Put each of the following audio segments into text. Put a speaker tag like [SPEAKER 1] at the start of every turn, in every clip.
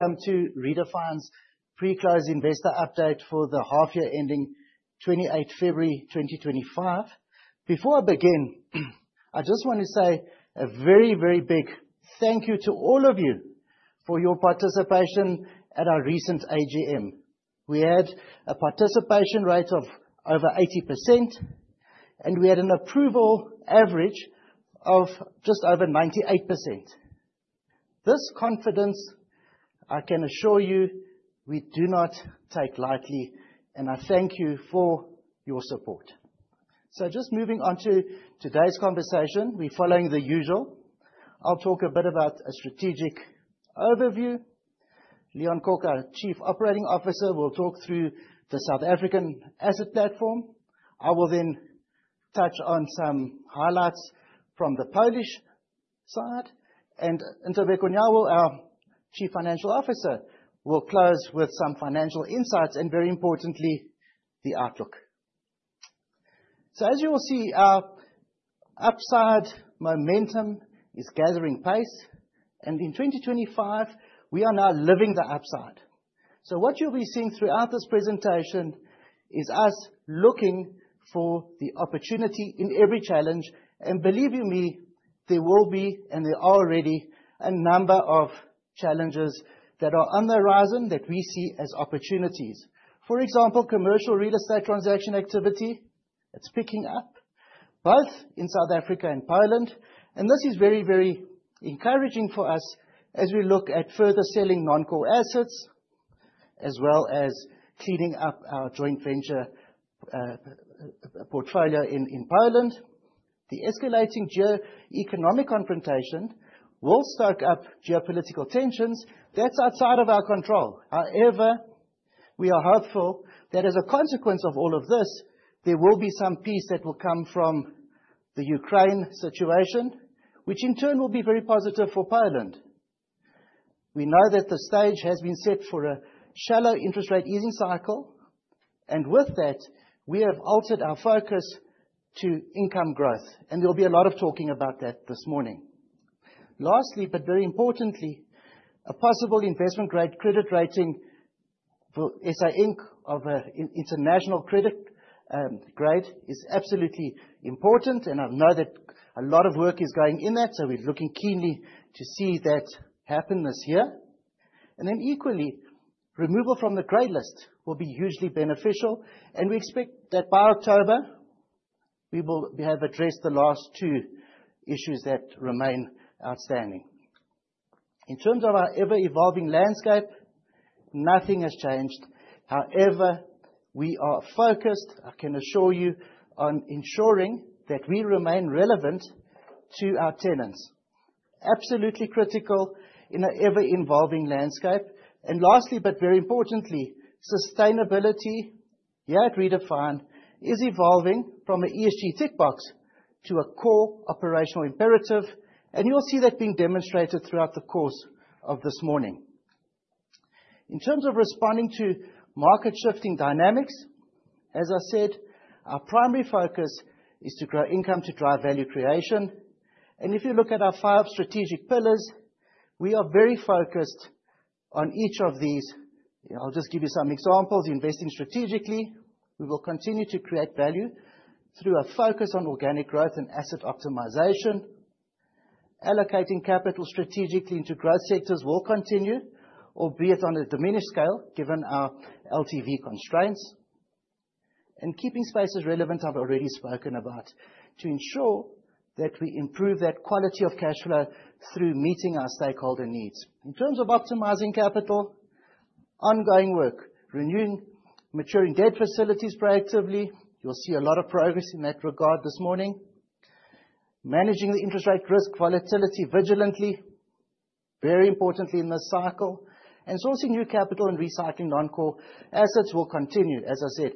[SPEAKER 1] Welcome to Redefine's pre-close investor update for the half year ending 28 February 2025. Before I begin, I just wanna say a very, very big thank you to all of you for your participation at our recent AGM. We had a participation rate of over 80% and we had an approval average of just over 98%. This confidence, I can assure you, we do not take lightly and I thank you for your support. Just moving on to today's conversation, we're following the usual. I'll talk a bit about a strategic overview. Leon Kok, our Chief Operating Officer, will talk through the South African asset platform. I will then touch on some highlights from the Polish side. Ntobeko Nyawo, our Chief Financial Officer, will close with some financial insights and, very importantly, the outlook. As you will see, our upside momentum is gathering pace and in 2025, we are now living the upside. What you'll be seeing throughout this presentation is us looking for the opportunity in every challenge. Believe you me, there will be and there are already, a number of challenges that are on the horizon that we see as opportunities. For example, commercial real estate transaction activity, it's picking up both in South Africa and Poland and this is very, very encouraging for us as we look at further selling non-core assets as well as cleaning up our joint venture portfolio in Poland. The escalating geo-economic confrontation will stoke up geopolitical tensions. That's outside of our control. However, we are hopeful that as a consequence of all of this, there will be some peace that will come from the Ukraine situation, which in turn will be very positive for Poland. We know that the stage has been set for a shallow interest rate easing cycle and with that, we have altered our focus to income growth and there'll be a lot of talking about that this morning. Lastly but very importantly, a possible investment-grade credit rating for SA Inc. of international credit grade is absolutely important and I know that a lot of work is going in that, so we're looking keenly to see that happen this year. Equally, removal from the gray list will be hugely beneficial and we expect that by October, we will have addressed the last two issues that remain outstanding. In terms of our ever-evolving landscape, nothing has changed. However, we are focused, I can assure you, on ensuring that we remain relevant to our tenants. Absolutely critical in an ever-evolving landscape. Lastly but very importantly, sustainability here at Redefine is evolving from an ESG tick box to a core operational imperative and you'll see that being demonstrated throughout the course of this morning. In terms of responding to market-shifting dynamics, as I said, our primary focus is to grow income to drive value creation. If you look at our five strategic pillars, we are very focused on each of these. Yeah, I'll just give you some examples. Investing strategically, we will continue to create value through a focus on organic growth and asset optimization. Allocating capital strategically into growth sectors will continue, albeit on a diminished scale, given our LTV constraints. Keeping spaces relevant, I've already spoken about, to ensure that we improve that quality of cash flow through meeting our stakeholder needs. In terms of optimizing capital, ongoing work renewing maturing debt facilities proactively. You'll see a lot of progress in that regard this morning. Managing the interest rate risk volatility vigilantly, very importantly in this cycle. Sourcing new capital and recycling non-core assets will continue, as I said.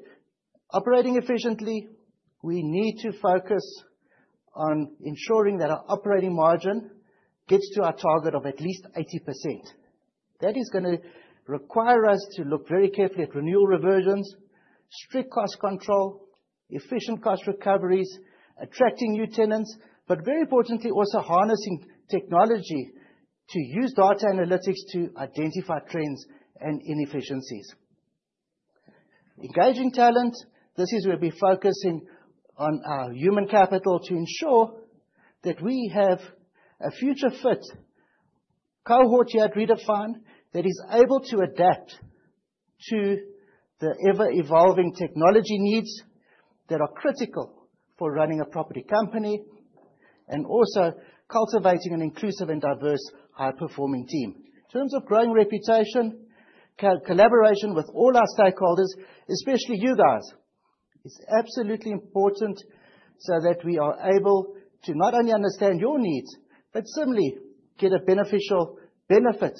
[SPEAKER 1] Operating efficiently, we need to focus on ensuring that our operating margin gets to our target of at least 80%. That is gonna require us to look very carefully at renewal reversions, strict cost control, efficient cost recoveries, attracting new tenants but very importantly, also harnessing technology to use data analytics to identify trends and inefficiencies. Engaging talent, this is where we're focusing on our human capital to ensure that we have a future fit cohort here at Redefine that is able to adapt to the ever-evolving technology needs that are critical for running a property company and also cultivating an inclusive and diverse high-performing team. In terms of growing reputation, collaboration with all our stakeholders, especially you guys, is absolutely important so that we are able to not only understand your needs but certainly get a beneficial benefit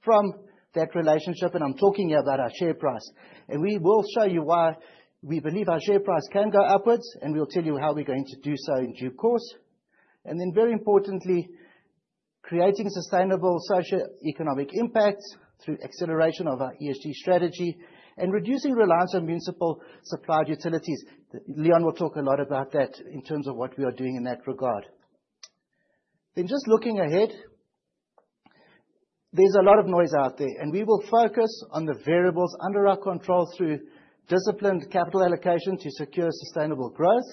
[SPEAKER 1] from that relationship. I'm talking here about our share price. We will show you why we believe our share price can go upwards and we'll tell you how we're going to do so in due course. Then very importantly, creating sustainable socioeconomic impact through acceleration of our ESG strategy and reducing reliance on municipal supplied utilities. Leon will talk a lot about that in terms of what we are doing in that regard. Just looking ahead, there's a lot of noise out there and we will focus on the variables under our control through disciplined capital allocation to secure sustainable growth,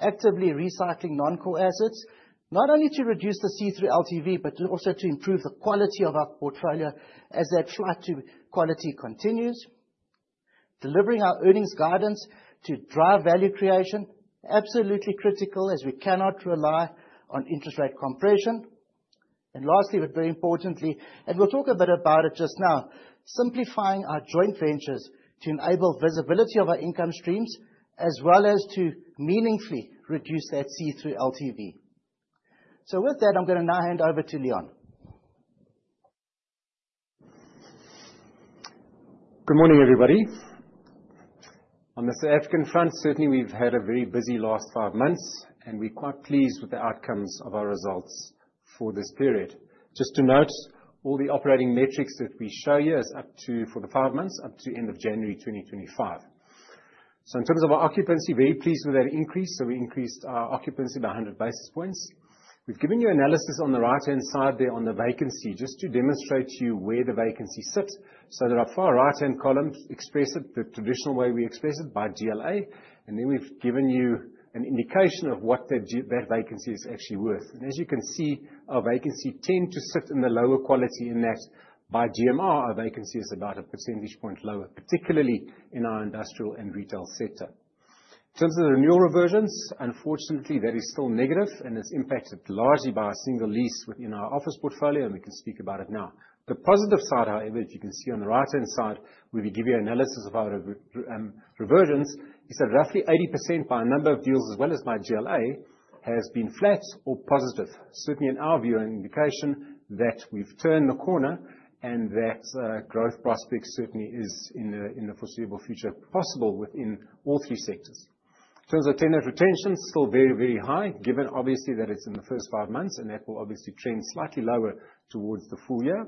[SPEAKER 1] actively recycling non-core assets, not only to reduce the see-through LTV but also to improve the quality of our portfolio as that flight to quality continues. Delivering our earnings guidance to drive value creation, absolutely critical, as we cannot rely on interest rate compression. Lastly but very importantly and we'll talk a bit about it just now, simplifying our joint ventures to enable visibility of our income streams, as well as to meaningfully reduce that see-through LTV. With that, I'm gonna now hand over to Leon.
[SPEAKER 2] Good morning, everybody. On the South African front, certainly we've had a very busy last five months and we're quite pleased with the outcomes of our results for this period. Just to note, all the operating metrics that we show you is up to, for the five months, up to end of January 2025. In terms of our occupancy, very pleased with that increase. We increased our occupancy by 100 basis points. We've given you analysis on the right-hand side there on the vacancy, just to demonstrate to you where the vacancy sits. There are far right-hand columns expressed, the traditional way we express it, by GLA. We've given you an indication of what that vacancy is actually worth. As you can see, our vacancy tends to sit in the lower quality in that by GMR, our vacancy is about a percentage point lower, particularly in our industrial and retail sector. In terms of the renewal reversions, unfortunately, that is still negative and it's impacted largely by a single lease within our office portfolio and we can speak about it now. The positive side, however, as you can see on the right-hand side, where we give you analysis of our reversions, is that roughly 80% by number of deals as well as by GLA has been flat or positive. Certainly, in our view, an indication that we've turned the corner and that growth prospect certainly is in the foreseeable future possible within all three sectors. In terms of tenant retention, still very, very high, given obviously that it's in the first five months and that will obviously trend slightly lower towards the full year.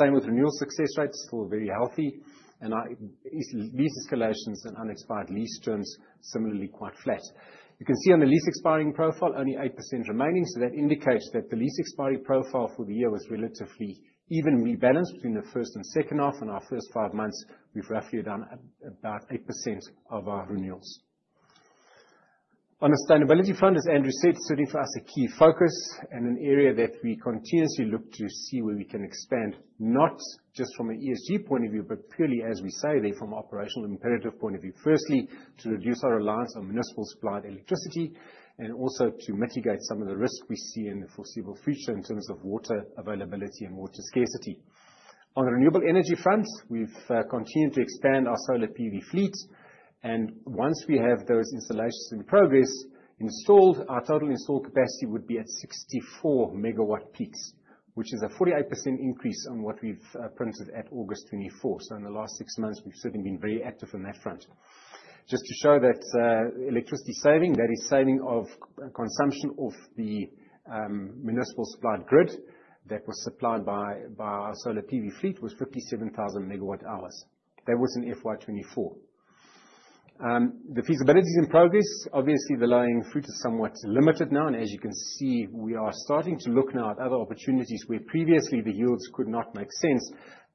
[SPEAKER 2] Same with renewal success rates, still very healthy. Lease escalations and unexpired lease terms, similarly quite flat. You can see on the lease expiring profile, only 8% remaining, so that indicates that the lease expiry profile for the year was relatively even and rebalanced between the first and second half. In our first five months, we've roughly done about 8% of our renewals. On a sustainability front, as Andrew said, certainly for us, a key focus and an area that we continuously look to see where we can expand, not just from a ESG point of view but purely, as we say, they're from operational imperative point of view. To reduce our reliance on municipal supplied electricity and also to mitigate some of the risks we see in the foreseeable future in terms of water availability and water scarcity. On the renewable energy front, we've continued to expand our solar PV fleet and once we have those installations in progress installed, our total install capacity would be at 64 megawatt peaks, which is a 48% increase on what we've printed at August 2024. In the last six months, we've certainly been very active on that front. Just to show that, electricity saving, that is saving of consumption of the municipal supplied grid that was supplied by our solar PV fleet was 57,000 megawatt hours. That was in FY 2024. The feasibility is in progress. Obviously, the low-hanging fruit is somewhat limited now and as you can see, we are starting to look now at other opportunities where previously the yields could not make sense.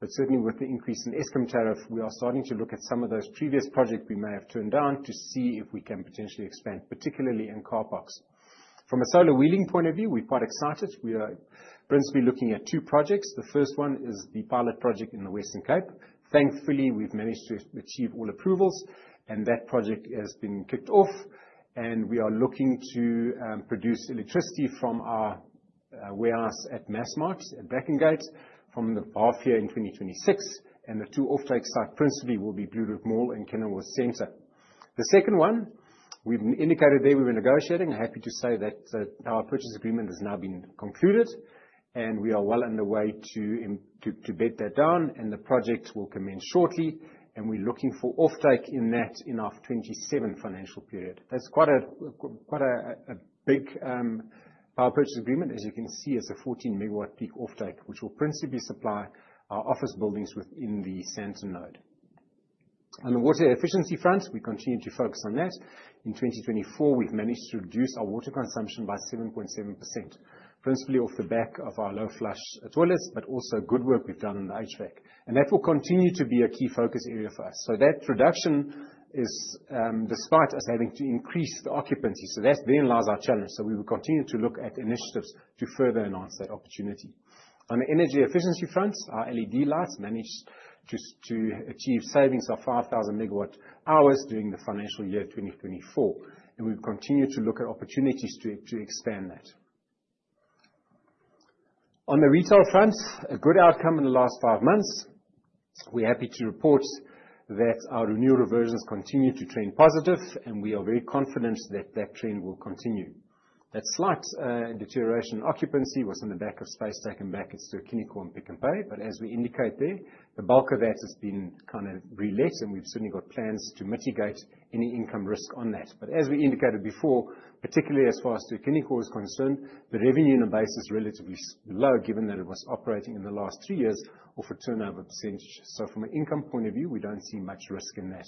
[SPEAKER 2] Certainly with the increase in Eskom tariff, we are starting to look at some of those previous projects we may have turned down to see if we can potentially expand, particularly in carparks. From a solar wheeling point of view, we're quite excited. We are principally looking at two projects. The first one is the pilot project in the Western Cape. Thankfully, we've managed to achieve all approvals and that project has been kicked off and we are looking to produce electricity from our warehouse at Massmart at Brackengate from the half year in 2026 and the two offtake sites principally will be Blue Route Mall and Kenilworth Centre. The second one, we've indicated there we were negotiating. Happy to say that, our purchase agreement has now been concluded and we are well on the way to bed that down and the project will commence shortly and we're looking for off-take in our 2027 financial period. That's quite a big power purchase agreement. As you can see, it's a 14 MW peak off-take, which will principally supply our office buildings within the Sandton node. On the water efficiency front, we continue to focus on that. In 2024, we've managed to reduce our water consumption by 7.7%, principally off the back of our low flush toilets but also good work we've done in the HVAC. That will continue to be a key focus area for us. That reduction is despite us having to increase the occupancy. That therein lies our challenge. We will continue to look at initiatives to further enhance that opportunity. On the energy efficiency front, our LED lights managed to achieve savings of 5,000 MWh during the financial year of 2024 and we'll continue to look at opportunities to expand that. On the retail front, a good outcome in the last five months. We're happy to report that our renewal reversions continue to trend positive and we are very confident that that trend will continue. That slight deterioration in occupancy was in the backdrop of space taken back at Ster-Kinekor and Pick n Pay. As we indicate there, the bulk of that has been kind of relet and we've certainly got plans to mitigate any income risk on that. As we indicated before, particularly as far as Ster-Kinekor is concerned, the revenue on a base is relatively low, given that it was operating in the last three years off a turnover percentage. From an income point of view, we don't see much risk in that.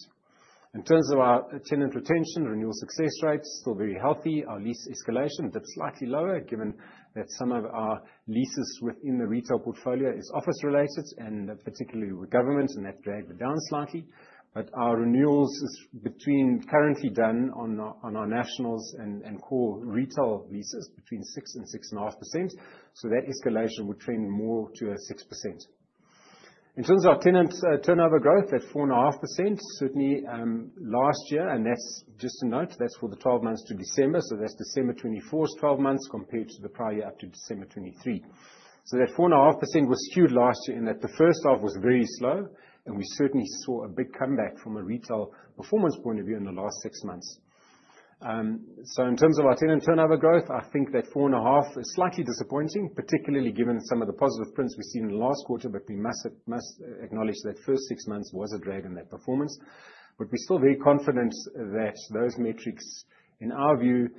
[SPEAKER 2] In terms of our tenant retention, renewal success rate's still very healthy. Our lease escalation dipped slightly lower, given that some of our leases within the retail portfolio is office related and particularly with government and that dragged it down slightly. Our renewals is between currently done on our nationals and core retail leases between 6% and 6.5%, so that escalation would trend more to a 6%. In terms of our tenant turnover growth at 4.5%, certainly last year and that's just a note, that's for the 12 months to December, so that's December 2024's 12 months compared to the prior year up to December 2023. That 4.5% was skewed last year in that the first half was very slow and we certainly saw a big comeback from a retail performance point of view in the last six months. In terms of our tenant turnover growth, I think that 4.5 is slightly disappointing, particularly given some of the positive prints we've seen in the last quarter. We must acknowledge that first six months was a drag in that performance. We're still very confident that those metrics, in our view,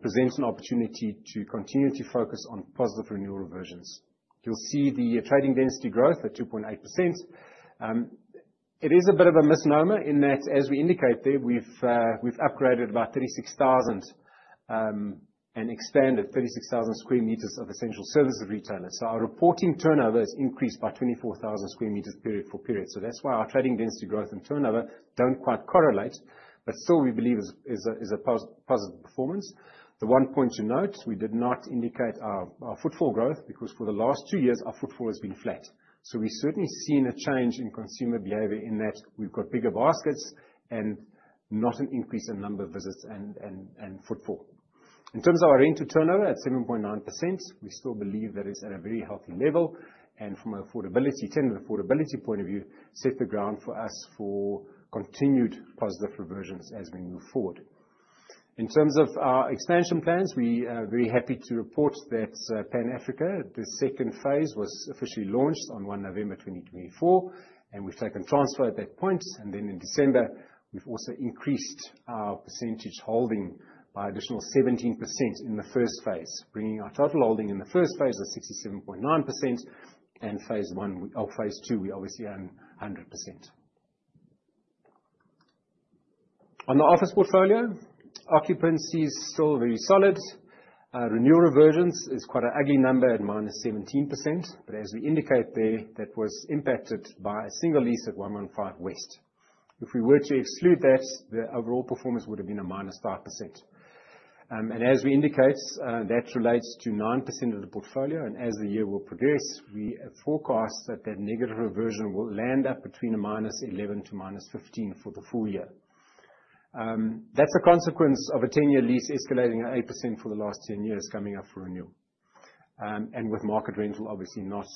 [SPEAKER 2] present an opportunity to continue to focus on positive renewal reversions. You'll see the trading density growth at 2.8%. It is a bit of a misnomer in that, as we indicate there, we've upgraded about 36,000 and expanded 36,000 sq m of essential services retailers. So our reporting turnover has increased by 24,000 sq m period for period. That's why our trading density growth and turnover don't quite correlate but still, we believe is a positive performance. The one point to note, we did not indicate our footfall growth because for the last two years our footfall has been flat. We've certainly seen a change in consumer behavior in that we've got bigger baskets and not an increase in number of visits and footfall. In terms of our rent to turnover at 7.9%, we still believe that it's at a very healthy level and from an affordability, tenant affordability point of view, set the ground for us for continued positive reversions as we move forward. In terms of our expansion plans, we are very happy to report that Pan Africa, the second phase, was officially launched on 1 November 2024 and we've taken transfer at that point. Then in December we've also increased our percentage holding by additional 17% in the first phase, bringing our total holding in the first phase to 67.9% and phase I or phase II, we obviously own 100%. On the office portfolio, occupancy is still very solid. Renewal reversion is quite an ugly number at -17% but as we indicate there, that was impacted by a single lease at 115 West. If we were to exclude that, the overall performance would've been a -5%. As we indicate, that relates to 9% of the portfolio. As the year will progress, we forecast that that negative reversion will land up between a -11% to -15% for the full year. That's a consequence of a 10-year lease escalating at 8% for the last 10 years coming up for renewal and with market rental obviously not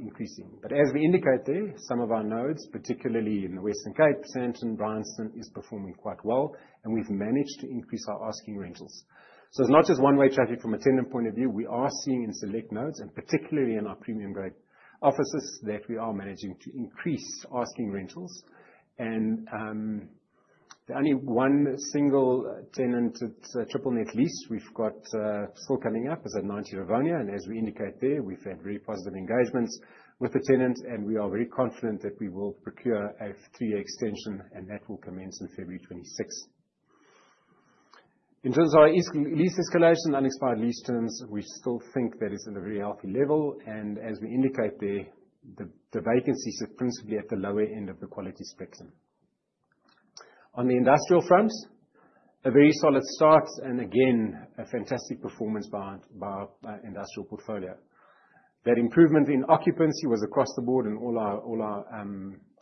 [SPEAKER 2] increasing. As we indicate there, some of our nodes, particularly in the Western Cape, Sandton, Bryanston, is performing quite well and we've managed to increase our asking rentals. It's not just one-way traffic from a tenant point of view. We are seeing in select nodes and particularly in our premium grade offices, that we are managing to increase asking rentals. The only one single tenant that's a triple net lease we've got still coming up is at 90 Rivonia and as we indicate there, we've had very positive engagements with the tenant and we are very confident that we will procure a three-year extension and that will commence in 26 February. In terms of our lease escalation, unexpired lease terms, we still think that is at a very healthy level and as we indicate there, the vacancies are principally at the lower end of the quality spectrum. On the industrial front, a very solid start and again, a fantastic performance by our industrial portfolio. That improvement in occupancy was across the board in all our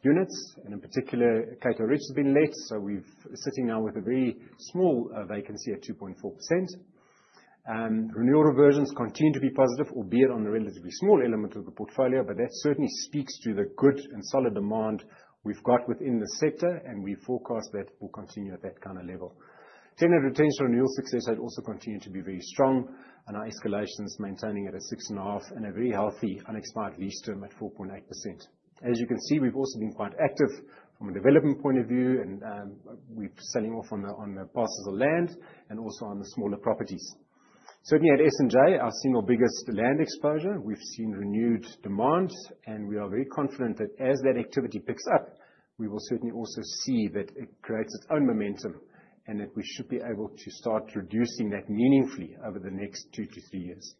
[SPEAKER 2] units and in particular, Cato Ridge has been let. We're sitting now with a very small vacancy at 2.4%. Renewal reversions continue to be positive, albeit on a relatively small element of the portfolio but that certainly speaks to the good and solid demand we've got within the sector and we forecast that will continue at that kind of level. Tenant retention renewal success has also continued to be very strong and our escalations maintaining at 6.5% and a very healthy unexpired lease term at 4.8 years. As you can see, we've also been quite active from a development point of view and we're selling off on the parcels of land and also on the smaller properties. Certainly at S&J, our single biggest land exposure, we've seen renewed demand and we are very confident that as that activity picks up, we will certainly also see that it creates its own momentum and that we should be able to start reducing that meaningfully over the next two-three years.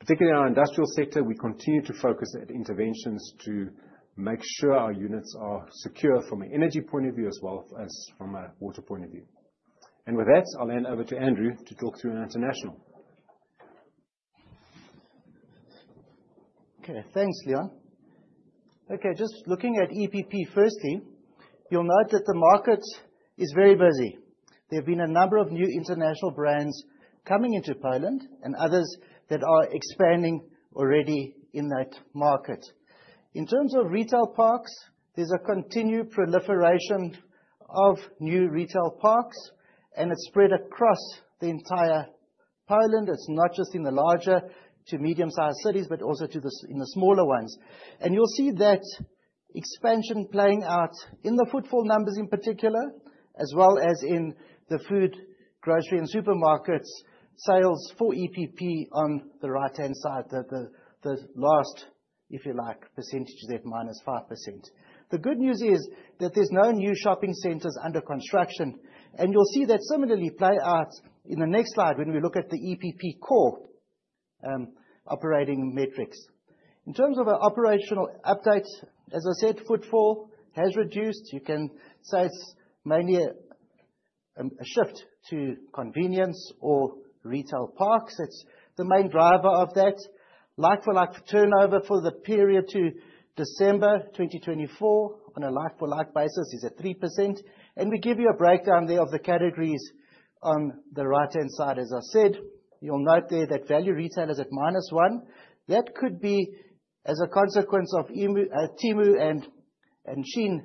[SPEAKER 2] Particularly in our industrial sector, we continue to focus at interventions to make sure our units are secure from an energy point of view as well as from a water point of view. With that, I'll hand over to Andrew to talk through international.
[SPEAKER 1] Okay. Thanks, Leon. Okay, just looking at EPP, firstly, you'll note that the market is very busy. There have been a number of new international brands coming into Poland and others that are expanding already in that market. In terms of retail parks, there's a continued proliferation of new retail parks and it's spread across the entire Poland. It is not just in the larger to medium-sized cities but also in the smaller ones. You'll see that expansion playing out in the footfall numbers in particular, as well as in the food, grocery and supermarkets sales for EPP on the right-hand side. The last, if you like, percentages at -5%. The good news is that there's no new shopping centers under construction and you'll see that similarly play out in the next slide when we look at the EPP Core operating metrics. In terms of our operational updates, as I said, footfall has reduced. You can say it's mainly a shift to convenience or retail parks. That's the main driver of that. Like-for-like turnover for the period to December 2024 on a like-for-like basis is at 3% and we give you a breakdown there of the categories on the right-hand side. As I said, you'll note there that value retail is at -1%. That could be as a consequence of Temu and Shein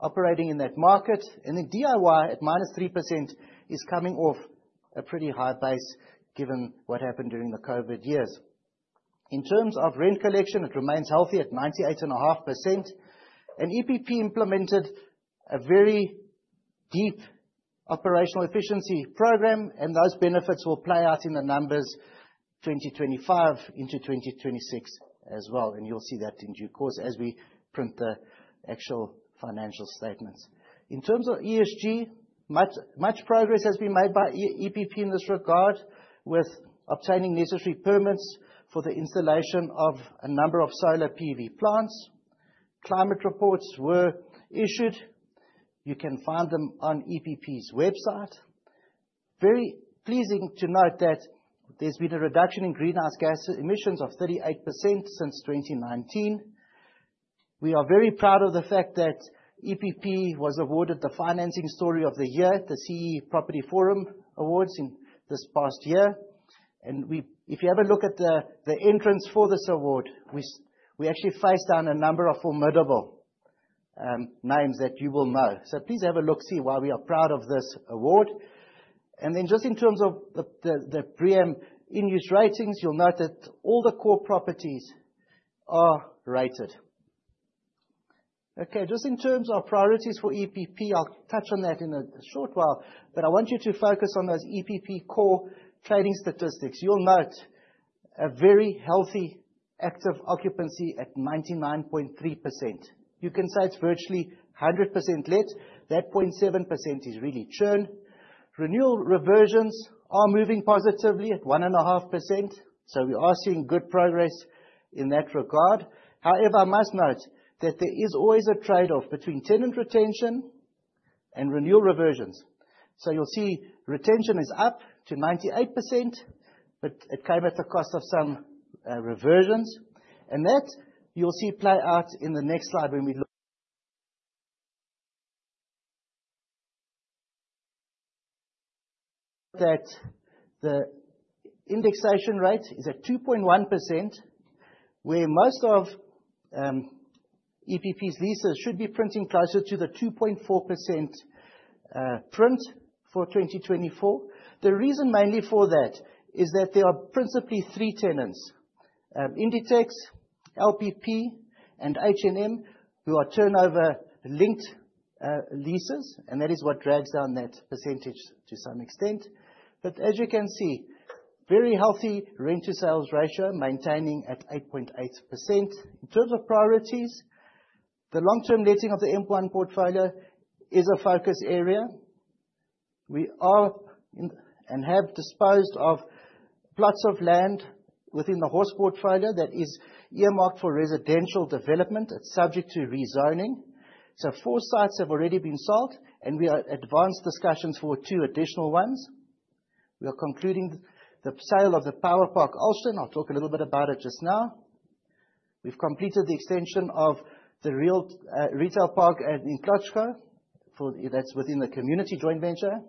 [SPEAKER 1] operating in that market. DIY at -3% is coming off a pretty high base given what happened during the COVID years. In terms of rent collection, it remains healthy at 98.5%. EPP implemented a very deep operational efficiency program and those benefits will play out in the numbers 2025 into 2026 as well and you'll see that in due course as we print the actual financial statements. In terms of ESG, much, much progress has been made by EPP in this regard with obtaining necessary permits for the installation of a number of solar PV plants. Climate reports were issued. You can find them on EPP's website. Very pleasing to note that there's been a reduction in greenhouse gas emissions of 38% since 2019. We are very proud of the fact that EPP was awarded the Financing Story of the Year at the CEE Property Forum Awards in this past year. If you have a look at the entrants for this award, we actually faced down a number of formidable names that you will know. Please have a look, see why we are proud of this award. Then just in terms of the BREEAM pre- and in-use ratings, you'll note that all the core properties are rated. Okay. Just in terms of priorities for EPP, I'll touch on that in a short while but I want you to focus on those EPP Core trading statistics. You'll note a very healthy active occupancy at 99.3%. You can say it's virtually 100% let. That 0.7% is really churned. Renewal reversions are moving positively at 1.5%, so we are seeing good progress in that regard. However, I must note that there is always a trade-off between tenant retention and renewal reversions. You'll see retention is up to 98% but it came at the cost of some reversions. That, you'll see play out in the next slide when we look. The indexation rate is at 2.1%, where most of EPP's leases should be printing closer to the 2.4% print for 2024. The reason mainly for that is that there are principally three tenants: Inditex, LPP and H&M who are turnover-linked leases and that is what drags down that percentage to some extent. As you can see, very healthy rent to sales ratio, maintaining at 8.8%. In terms of priorities, the long-term letting of the M1 portfolio is a focus area. We are in and have disposed of plots of land within the Horse portfolio that is earmarked for residential development. It's subject to rezoning. Four sites have already been sold and we are at advanced discussions for two additional ones. We are concluding the sale of the Power Park Olsztyn. I'll talk a little bit about it just now. We've completed the extension of the retail park at Kłodzko. That's within the community joint venture.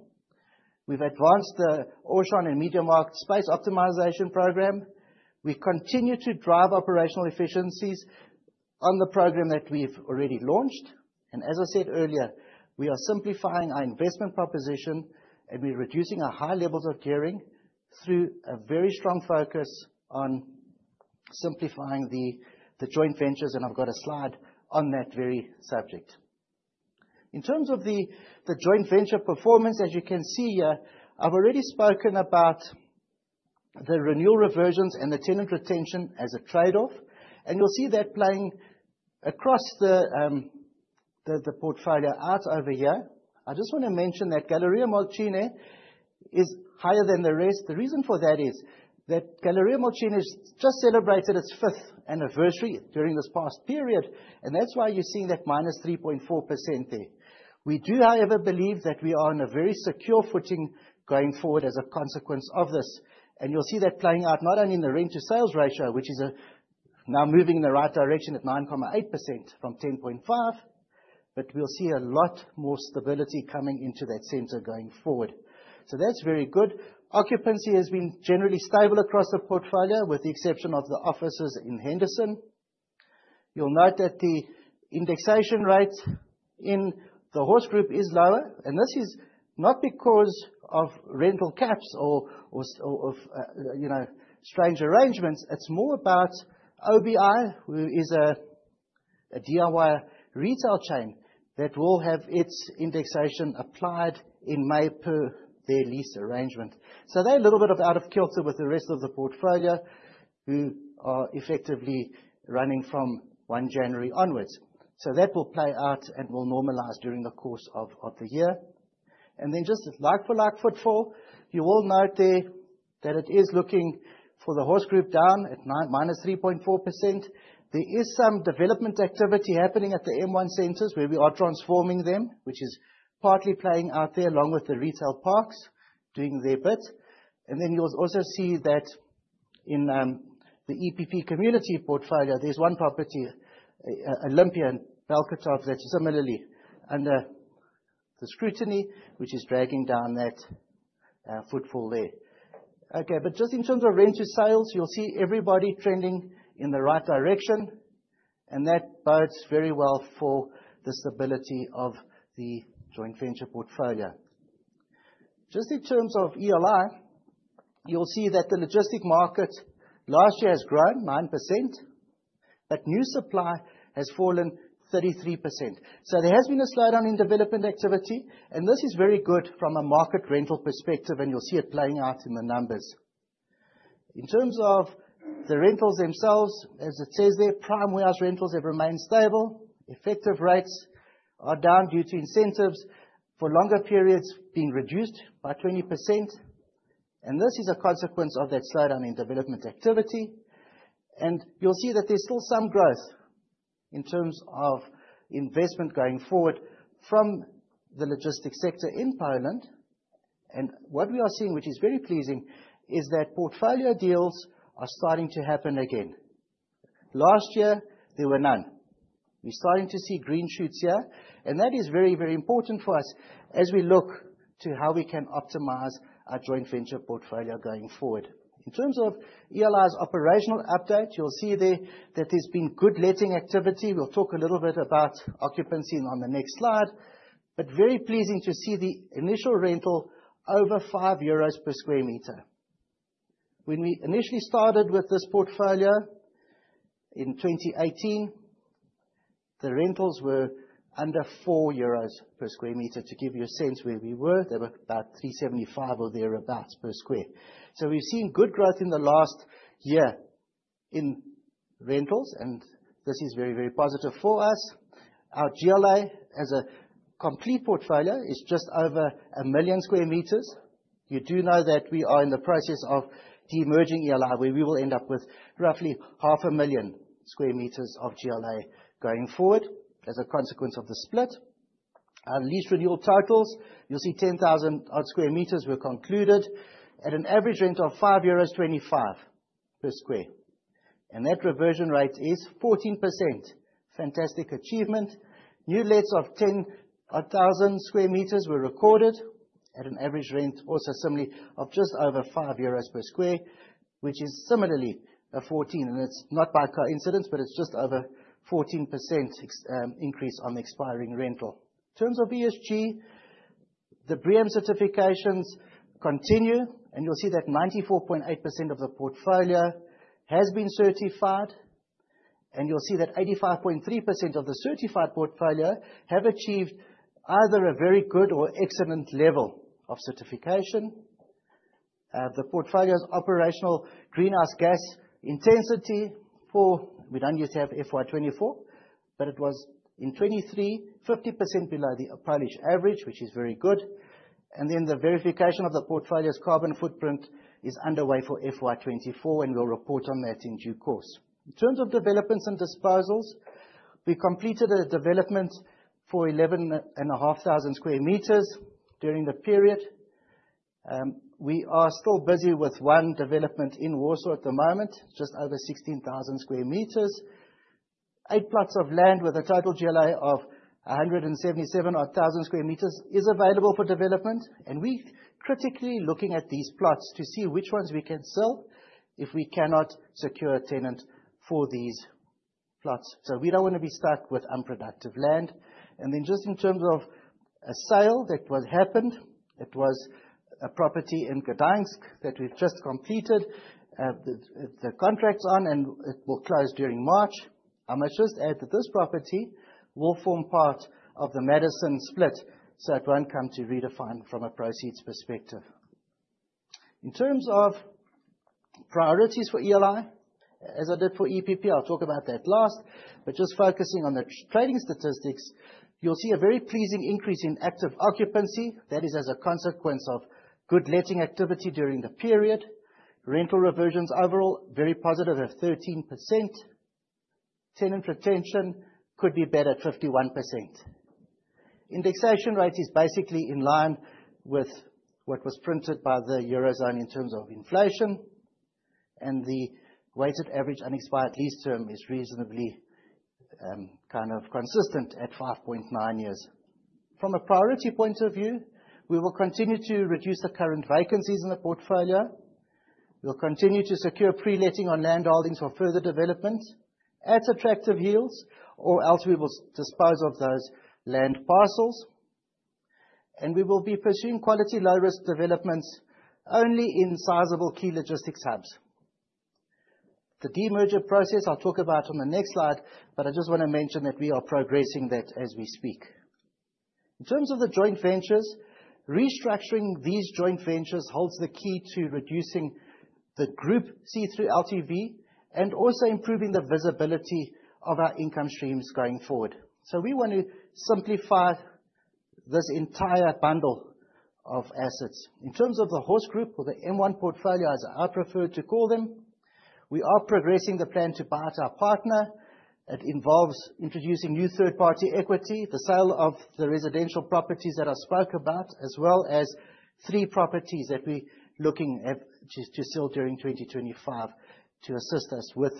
[SPEAKER 1] We've advanced the Auchan and MediaMarkt space optimization program. We continue to drive operational efficiencies on the program that we've already launched. As I said earlier, we are simplifying our investment proposition and we're reducing our high levels of gearing through a very strong focus on simplifying the joint ventures and I've got a slide on that very subject. In terms of the joint venture performance, as you can see here, I've already spoken about the renewal reversions and the tenant retention as a trade-off and you'll see that playing across the portfolio out over here. I just wanna mention that Galeria Młociny is higher than the rest. The reason for that is that Galeria Młociny has just celebrated its fifth anniversary during this past period and that's why you're seeing that -3.4% there. We do, however, believe that we are on a very secure footing going forward as a consequence of this. You'll see that playing out not only in the rent to sales ratio, which is now moving in the right direction at 9.8% from 10.5% but we'll see a lot more stability coming into that center going forward. That's very good. Occupancy has been generally stable across the portfolio with the exception of the offices in Henderson. You'll note that the indexation rates in the Horse Group is lower. This is not because of rental caps or you know, strange arrangements. It's more about OBI, who is a DIY retail chain that will have its indexation applied in May per their lease arrangement. They're a little bit out of kilter with the rest of the portfolio, who are effectively running from 1 January onwards. That will play out and will normalize during the course of the year. Then just like-for-like footfall, you will note there that it is looking for the Horse Group down at minus 3.4%. There is some development activity happening at the M1 centers where we are transforming them, which is partly playing out there along with the retail parks doing their bit. Then you'll also see that in the EPP community portfolio, there's one property, Galeria Olimpia, Bełchatów that's similarly under the scrutiny, which is dragging down that footfall there. Okay. Just in terms of rent to sales, you'll see everybody trending in the right direction and that bodes very well for the stability of the joint venture portfolio. Just in terms of ELI, you'll see that the logistics market last year has grown 9% but new supply has fallen 33%. There has been a slowdown in development activity and this is very good from a market rental perspective and you'll see it playing out in the numbers. In terms of the rentals themselves, as it says there, prime warehouse rentals have remained stable. Effective rates are down due to incentives for longer periods being reduced by 20% and this is a consequence of that slowdown in development activity. You'll see that there's still some growth in terms of investment going forward from the logistics sector in Poland. What we are seeing, which is very pleasing, is that portfolio deals are starting to happen again. Last year, there were none. We're starting to see green shoots here and that is very, very important for us as we look to how we can optimize our joint venture portfolio going forward. In terms of ELI's operational update, you'll see there that there's been good letting activity. We'll talk a little bit about occupancy on the next slide but very pleasing to see the initial rental over 5 euros per sq m. When we initially started with this portfolio in 2018, the rentals were under 4 euros per sq m. To give you a sense where we were, they were about 3.75 or thereabout per sq m. We've seen good growth in the last year in rentals and this is very, very positive for us. Our GLA as a complete portfolio is just over 1 million sq m. You do know that we are in the process of demerging ELI, where we will end up with roughly 0.5 million sq m of GLA going forward as a consequence of the split. Our lease renewal totals, you'll see 10,000-odd sq m were concluded at an average rent of 5.25 euros per sq m. That reversion rate is 14%. Fantastic achievement. New lets of 10,000-odd sq m were recorded at an average rent also similarly of just over 5 euros per sq m, which is similarly 14%. It's not by coincidence but it's just over 14% ex increase on the expiring rental. In terms of ESG, the BREEAM certifications continue and you'll see that 94.8% of the portfolio has been certified and you'll see that 85.3% of the certified portfolio have achieved either a very good or excellent level of certification. The portfolio's operational greenhouse gas intensity, we don't use to have FY 2024 but it was in 2023, 50% below the Polish average, which is very good. Then the verification of the portfolio's carbon footprint is underway for FY 2024 and we'll report on that in due course. In terms of developments and disposals, we completed a development for 11,500 sq m during the period. We are still busy with one development in Warsaw at the moment, just over 16,000 sq m. Eight plots of land with a total GLA of 177,000-odd sq m is available for development and we're critically looking at these plots to see which ones we can sell if we cannot secure a tenant for these plots. We don't wanna be stuck with unproductive land. Then just in terms of a sale that was happened, it was a property in Gdańsk that we've just completed the contracts on and it will close during March. I must just add that this property will form part of the Madison split, so it won't come to Redefine from a proceeds perspective. In terms of priorities for ELI, as I did for EPP, I'll talk about that last. Just focusing on the trading statistics, you'll see a very pleasing increase in active occupancy. That is as a consequence of good letting activity during the period. Rental reversions overall, very positive at 13%. Tenant retention could be better at 51%. Indexation rate is basically in line with what was printed by the Eurozone in terms of inflation and the weighted average unexpired lease term is reasonably kind of consistent at 5.9 years. From a priority point of view, we will continue to reduce the current vacancies in the portfolio. We'll continue to secure pre-letting on land holdings for further development at attractive yields or else we will dispose of those land parcels. We will be pursuing quality low-risk developments only in sizable key logistics hubs. The demerger process, I'll talk about on the next slide but I just wanna mention that we are progressing that as we speak. In terms of the joint ventures, restructuring these joint ventures holds the key to reducing the group see-through LTV and also improving the visibility of our income streams going forward. We want to simplify this entire bundle of assets. In terms of the Horse Group or the M1 portfolio, as I prefer to call them, we are progressing the plan to buy out our partner. It involves introducing new third-party equity, the sale of the residential properties that I spoke about, as well as three properties that we're looking at to sell during 2025 to assist us with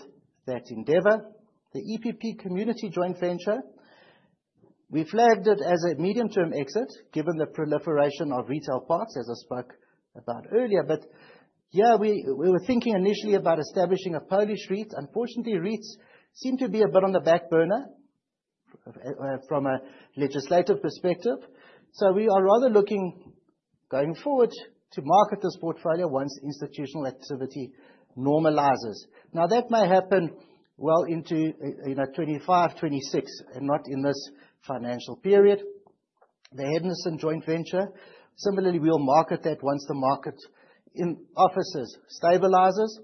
[SPEAKER 1] that endeavor. The EPP community joint venture, we flagged it as a medium-term exit, given the proliferation of retail parks, as I spoke about earlier. Here, we were thinking initially about establishing a Polish REIT. Unfortunately, REITs seem to be a bit on the back burner from a legislative perspective. We are rather looking, going forward, to market this portfolio once institutional activity normalizes. Now, that may happen well into 2025, 2026 and not in this financial period. The Henderson joint venture, similarly, we'll market that once the market in offices stabilizes.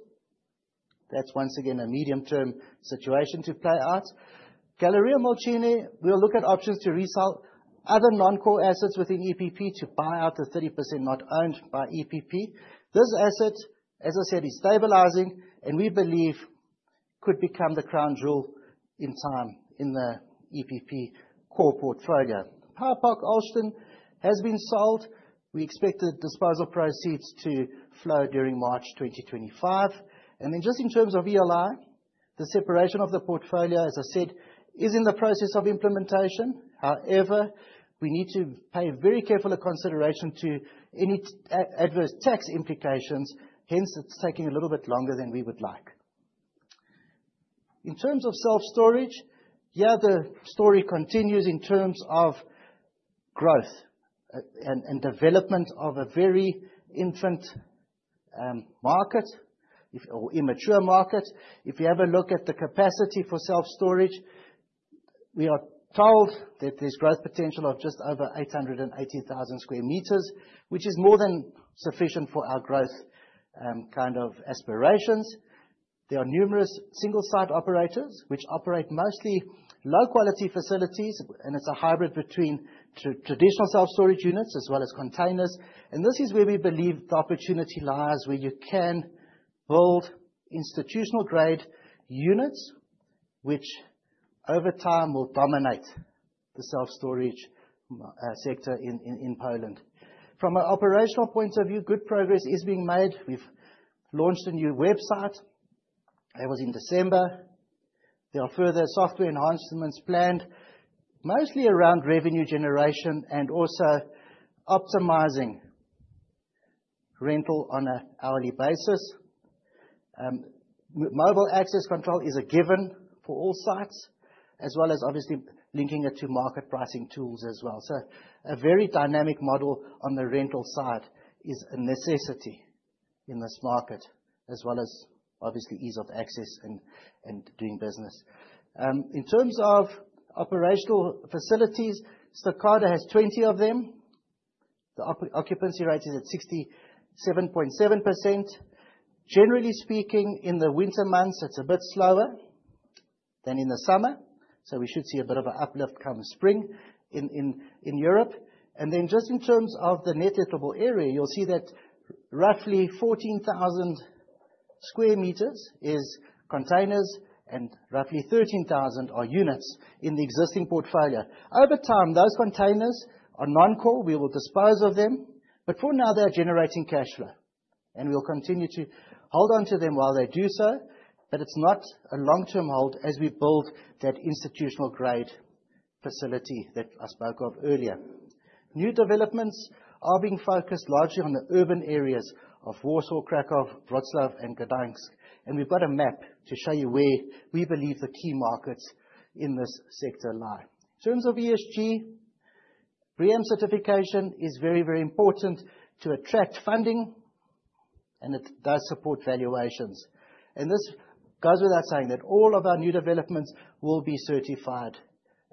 [SPEAKER 1] That's once again a medium-term situation to play out. Galeria Mokotów, we'll look at options to resell other non-core assets within EPP to buy out the 30% not owned by EPP. This asset, as I said, is stabilizing and we believe could become the crown jewel in time in the EPP Core portfolio. Power Park Olsztyn has been sold. We expect the disposal proceeds to flow during March 2025. Just in terms of ELI, the separation of the portfolio, as I said, is in the process of implementation. However, we need to pay very careful consideration to any adverse tax implications. Hence, it's taking a little bit longer than we would like. In terms of self-storage, here the story continues in terms of growth and development of a very infant or immature market. If you have a look at the capacity for self-storage, we are told that there's growth potential of just over 880,000 sq m, which is more than sufficient for our growth kind of aspirations. There are numerous single site operators which operate mostly low-quality facilities and it's a hybrid between traditional self-storage units as well as containers. This is where we believe the opportunity lies, where you can build institutional grade units, which over time will dominate the self-storage sector in Poland. From an operational point of view, good progress is being made. We've launched a new website. That was in December. There are further software enhancements planned, mostly around revenue generation and also optimizing rental on an hourly basis. Mobile access control is a given for all sites, as well as obviously linking it to market pricing tools as well. A very dynamic model on the rental side is a necessity in this market, as well as obviously ease of access and doing business. In terms of operational facilities, Stokado has 20 of them. The occupancy rate is at 67.7%. Generally speaking, in the winter months, it's a bit slower than in the summer, so we should see a bit of a uplift come spring in Europe. Then just in terms of the net lettable area, you'll see that roughly 14,000 sq m is containers and roughly 13,000 are units in the existing portfolio. Over time, those containers are non-core. We will dispose of them but for now, they are generating cash flow and we will continue to hold on to them while they do so. But it's not a long-term hold as we build that institutional grade facility that I spoke of earlier. New developments are being focused largely on the urban areas of Warsaw, Kraków, Wrocław and Gdańsk and we've got a map to show you where we believe the key markets in this sector lie. In terms of ESG, BREEAM certification is very, very important to attract funding and it does support valuations. This goes without saying that all of our new developments will be certified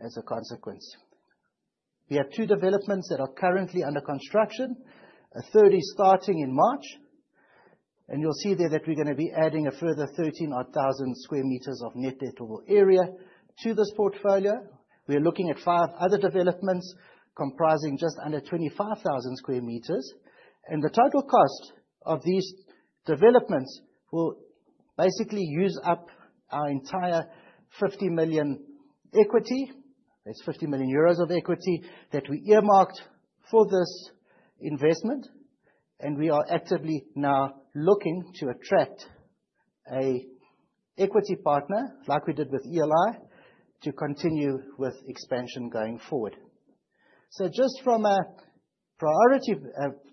[SPEAKER 1] as a consequence. We have two developments that are currently under construction. A third is starting in March. You'll see there that we're gonna be adding a further 13,000 sq m of net lettable area to this portfolio. We are looking at 5 other developments comprising just under 25,000 sq m. The total cost of these developments will basically use up our entire 50 million. That's 50 million euros of equity that we earmarked for this investment. We are actively now looking to attract an equity partner, like we did with ELI, to continue with expansion going forward. Just from a priority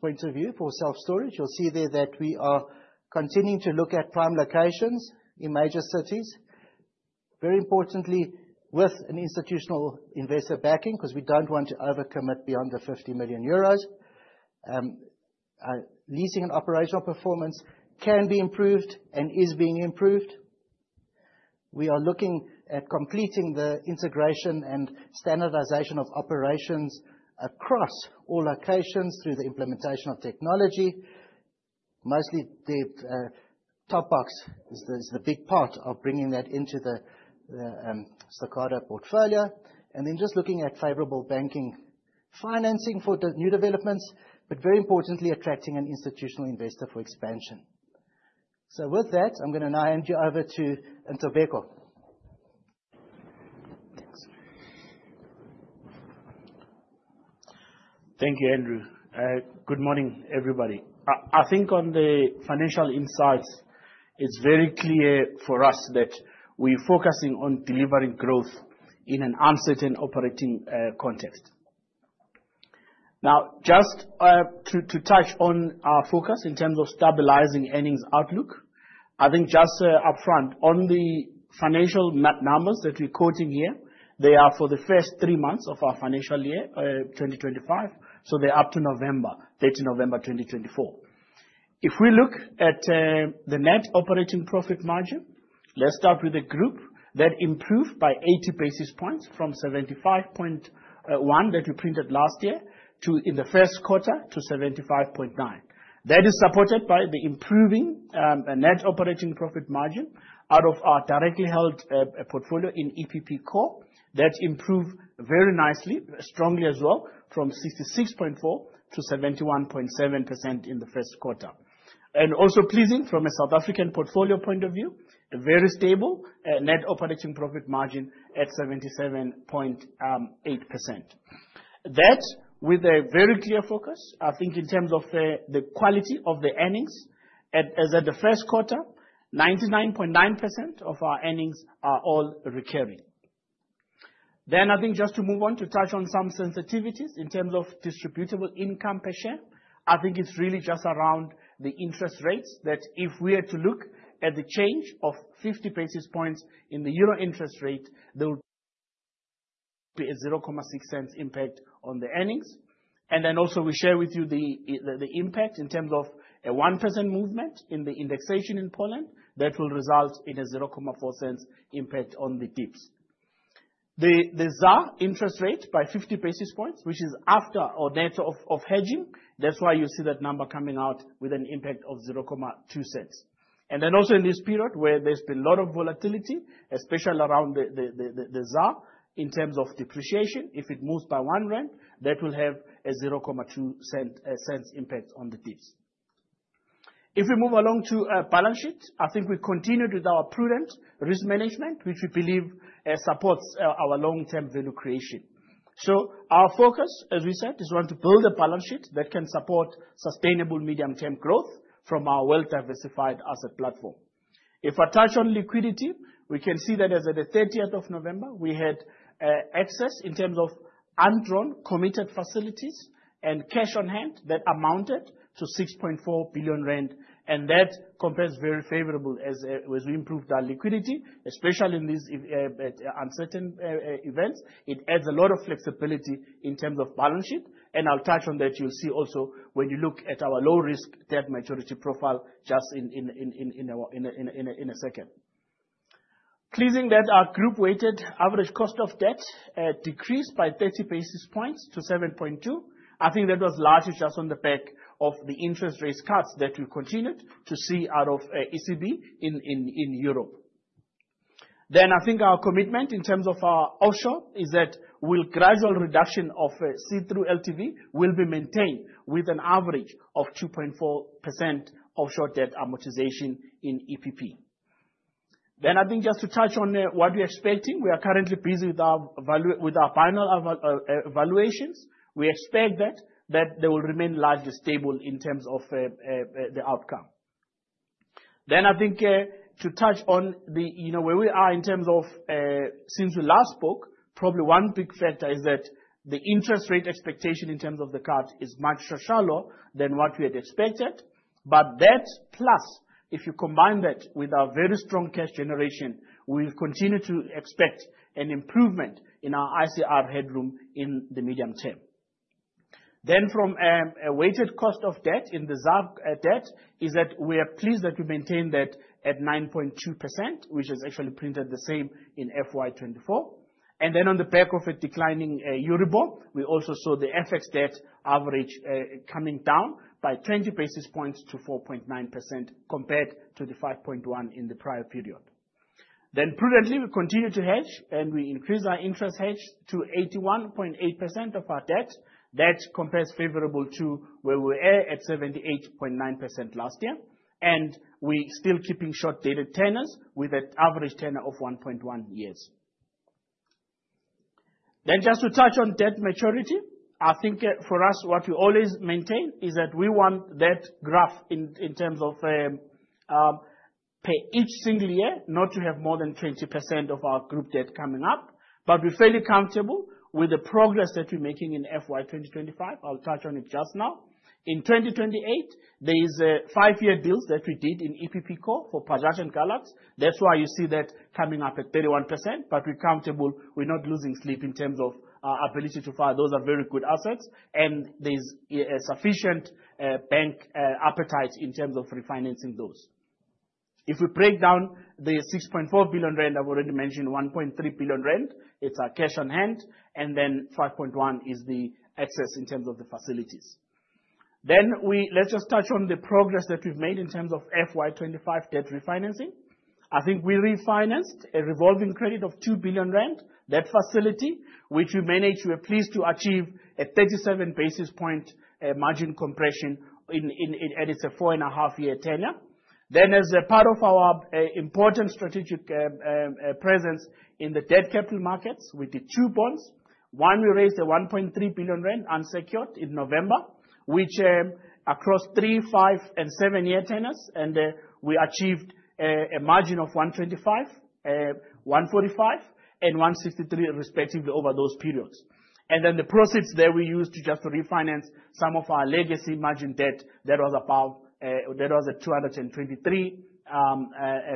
[SPEAKER 1] point of view for self-storage, you'll see there that we are continuing to look at prime locations in major cities, very importantly, with an institutional investor backing, 'cause we don't want to over-commit beyond the 50 million euros. Leasing and operational performance can be improved and is being improved. We are looking at completing the integration and standardization of operations across all locations through the implementation of technology. Mostly the Top Box is the big part of bringing that into the Stokado portfolio and then just looking at favorable banking financing for new developments but very importantly, attracting an institutional investor for expansion. With that, I'm gonna now hand you over to Ntobeko.
[SPEAKER 3] Thanks. Thank you, Andrew. Good morning, everybody. I think on the financial insights, it's very clear for us that we're focusing on delivering growth in an uncertain operating context. Now, just to touch on our focus in terms of stabilizing earnings outlook, I think just upfront, on the financial numbers that we're quoting here, they are for the first three months of our financial year 2025, so they're up to 30 November 2024. If we look at the net operating profit margin, let's start with the group, that improved by 80 basis points from 75.1% that we printed last year to, in the first quarter, 75.9%. That is supported by the improving net operating profit margin out of our directly held portfolio in EPP Core. That improved very nicely, strongly as well, from 66.4%-71.7% in the first quarter. Also pleasing from a South African portfolio point of view, a very stable net operating profit margin at 77.8%. That, with a very clear focus, I think in terms of the quality of the earnings, as of the first quarter, 99.9% of our earnings are all recurring. I think just to move on to touch on some sensitivities in terms of distributable income per share, I think it's really just around the interest rates, that if we are to look at the change of 50 basis points in the Euro interest rate, there would be a 0.006 impact on the earnings. Also we share with you the impact in terms of a 1% movement in the indexation in Poland, that will result in a 0.004 impact on the DIPS. The ZAR interest rate by 50 basis points, which is after or net of hedging, that's why you see that number coming out with an impact of 0.002. Also in this period where there's been a lot of volatility, especially around the ZAR, in terms of depreciation, if it moves by 1 rand, that will have a 0.002 impact on the DIPS. If we move along to our balance sheet, I think we continued with our prudent risk management, which we believe supports our long-term value creation. Our focus, as we said, is we want to build a balance sheet that can support sustainable medium-term growth from our well-diversified asset platform. If I touch on liquidity, we can see that as of the 30th of November, we had excess in terms of undrawn committed facilities and cash on hand that amounted to 6.4 billion rand and that compares very favorable as we improved our liquidity, especially in these uncertain events. It adds a lot of flexibility in terms of balance sheet and I'll touch on that. You'll see also when you look at our low risk debt maturity profile just in a second. Pleasing that our group weighted average cost of debt decreased by 30 basis points to 7.2%. I think that was largely just on the back of the interest rate cuts that we continued to see out of ECB in Europe. I think our commitment in terms of our offshore is that with gradual reduction of see-through LTV will be maintained with an average of 2.4% offshore debt amortization in EPP. I think just to touch on what we're expecting, we are currently busy with our final evaluations. We expect that they will remain largely stable in terms of the outcome. I think to touch on the, you know, where we are in terms of since we last spoke, probably one big factor is that the interest rate expectation in terms of the cut is much shallower than what we had expected but that, plus if you combine that with our very strong cash generation, we'll continue to expect an improvement in our ICR headroom in the medium term. From a weighted cost of debt in the ZAR debt is that we are pleased that we maintained that at 9.2%, which is actually printed the same in FY 2024. On the back of a declining EURIBOR, we also saw the FX debt average coming down by 20 basis points to 4.9% compared to the 5.1% in the prior period. Prudently, we continue to hedge and we increased our interest hedge to 81.8% of our debt. That compares favorably to where we were at 78.9% last year and we still keeping short-dated tenors with an average tenor of 1.1 years. Just to touch on debt maturity, I think for us, what we always maintain is that we want in terms of per each single year, not to have more than 20% of our group debt coming up but we're fairly comfortable with the progress that we're making in FY 2025. I'll touch on it just now. In 2028, there is five-year deals that we did in EPP Core for Pestka and Wileńska. That's why you see that coming up at 31% but we're comfortable. We're not losing sleep in terms of our ability to file. Those are very good assets and there's sufficient bank appetite in terms of refinancing those. If we break down the 6.4 billion rand, I've already mentioned 1.3 billion rand, it's our cash on hand and then 5.1 is the excess in terms of the facilities. Let's just touch on the progress that we've made in terms of FY 2025 debt refinancing. I think we refinanced a revolving credit of 2 billion rand, that facility which we managed. We're pleased to achieve a 37 basis point margin compression. And it's a 4.5-year tenure. As a part of our important strategic presence in the debt capital markets, we did two bonds. One, we raised 1.3 billion rand unsecured in November, which across three, five and seven-year tenors and we achieved a margin of 125, 145 and 163 basis points respectively over those periods. Then the proceeds there we used just to refinance some of our legacy margin debt that was at 223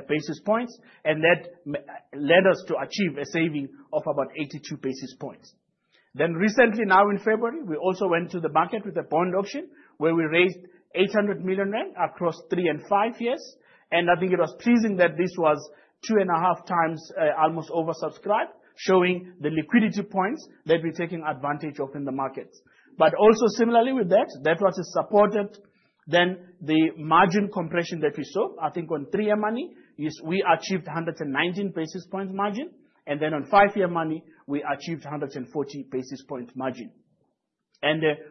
[SPEAKER 3] basis points and that led us to achieve a saving of about 82 basis points. Recently now in February, we also went to the market with a bond auction where we raised 800 million rand across three and five years and I think it was pleasing that this was 2.5 times almost oversubscribed, showing the liquidity points that we're taking advantage of in the markets. Also similarly with that was supported. The margin compression that we saw, I think on three-year money, is we achieved 119 basis point margin and then on five-year money, we achieved 140 basis point margin.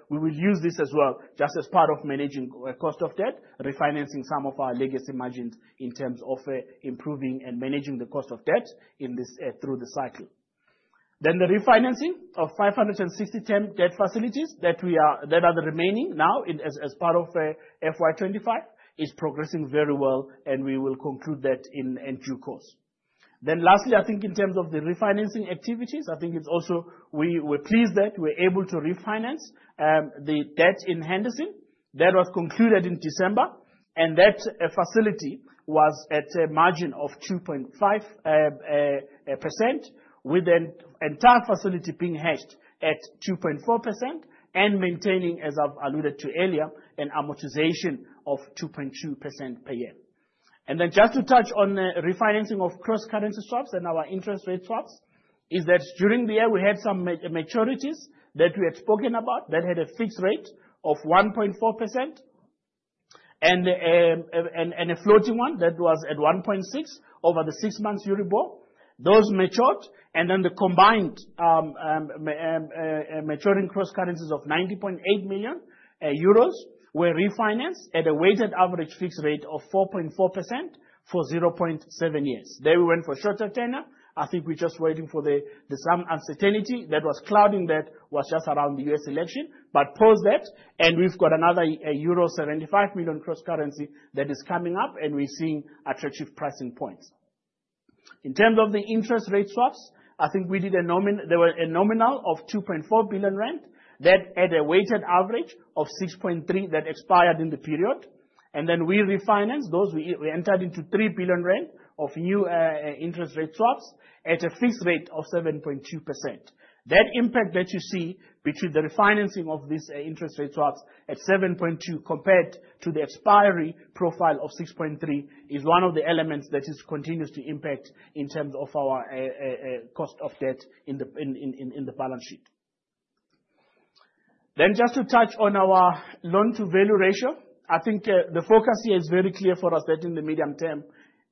[SPEAKER 3] We will use this as well, just as part of managing our cost of debt, refinancing some of our legacy margins in terms of improving and managing the cost of debt in this through the cycle. The refinancing of 560 term debt facilities that are remaining now as part of FY 2025 is progressing very well and we will conclude that in due course. Lastly, I think in terms of the refinancing activities, I think it's also we were pleased that we're able to refinance the debt in Henderson. That was concluded in December and that facility was at a margin of 2.5%, with the entire facility being hedged at 2.4% and maintaining, as I've alluded to earlier, an amortization of 2.2% per year. Just to touch on the refinancing of cross-currency swaps and our interest rate swaps, that during the year, we had some maturities that we had spoken about that had a fixed rate of 1.4% and a floating one that was at 1.6% over the six-month Euribor. Those matured and then the combined maturing cross currencies of 90.8 million euros were refinanced at a weighted average fixed rate of 4.4% for 0.7 years. There we went for shorter tenure. I think we're just waiting for some uncertainty that was clouding that was just around the U.S. election. Pause that and we've got another euro 75 million cross currency that is coming up and we're seeing attractive pricing points. In terms of the interest rate swaps, I think there was a notional of 2.4 billion rand that had a weighted average of 6.3% that expired in the period. We refinanced those. We entered into 3 billion rand of new interest rate swaps at a fixed rate of 7.2%. That impact that you see between the refinancing of these, interest rate swaps at 7.2 compared to the expiry profile of 6.3 is one of the elements that is continuously impact in terms of our, cost of debt in the balance sheet. Just to touch on our loan-to-value ratio. I think, the focus here is very clear for us that in the medium term,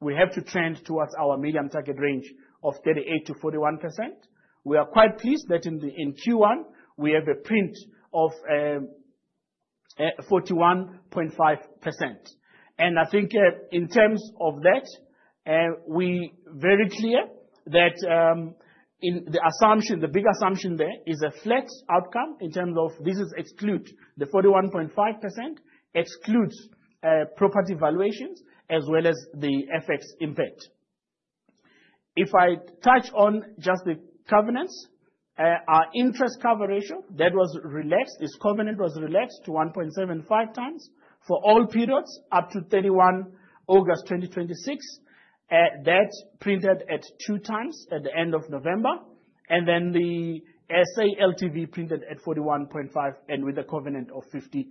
[SPEAKER 3] we have to trend towards our medium target range of 38%-41%. We are quite pleased that in Q1, we have a print of, forty-one-point-five percent. I think, in terms of that, we very clear that, in the assumption, the big assumption there is a FX outcome in terms of this is exclude. The 41.5% excludes, property valuations as well as the FX impact. If I touch on just the covenants, our interest cover ratio, that was relaxed. This covenant was relaxed to 1.75 times for all periods up to 31 August 2026. That printed at 2 times at the end of November. The SA LTV printed at 41.5 and with a covenant of 50%.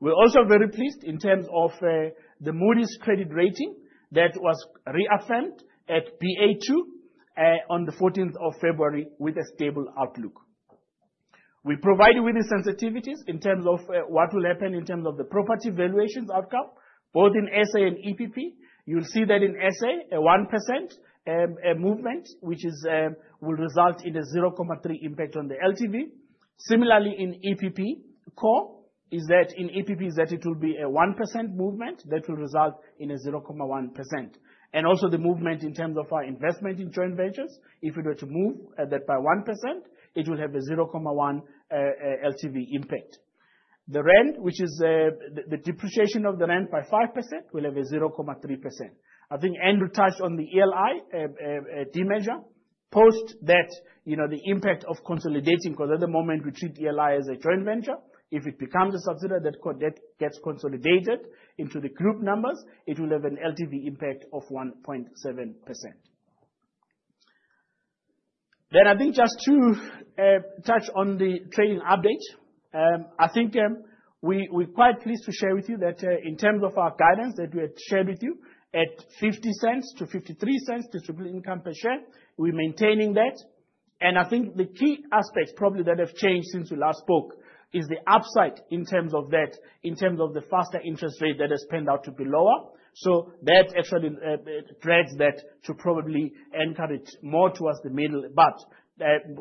[SPEAKER 3] We're also very pleased in terms of the Moody's credit rating that was reaffirmed at Baa2 on the 14th of February with a stable outlook. We provided with the sensitivities in terms of what will happen in terms of the property valuations outcome, both in SA and EPP. You'll see that in SA, a 1% movement, which is, will result in a 0.3 impact on the LTV. Similarly, in EPP Core, that in EPP it will be a 1% movement that will result in a 0.1%. Also the movement in terms of our investment in joint ventures, if we were to move that by 1%, it will have a 0.1% LTV impact. The rent, which is the depreciation of the rent by 5% will have a 0.3%. I think Andrew touched on the ELI measure. Post that, you know, the impact of consolidating, 'cause at the moment we treat ELI as a joint venture. If it becomes a subsidiary that gets consolidated into the group numbers, it will have an LTV impact of 1.7%. I think just to touch on the trading update, I think, we're quite pleased to share with you that, in terms of our guidance that we had shared with you, at 0.50-0.53 distributed income per share, we're maintaining that. I think the key aspects probably that have changed since we last spoke is the upside in terms of that, in terms of the interest rate path that has panned out to be lower. That actually trends that to probably encourage more towards the middle but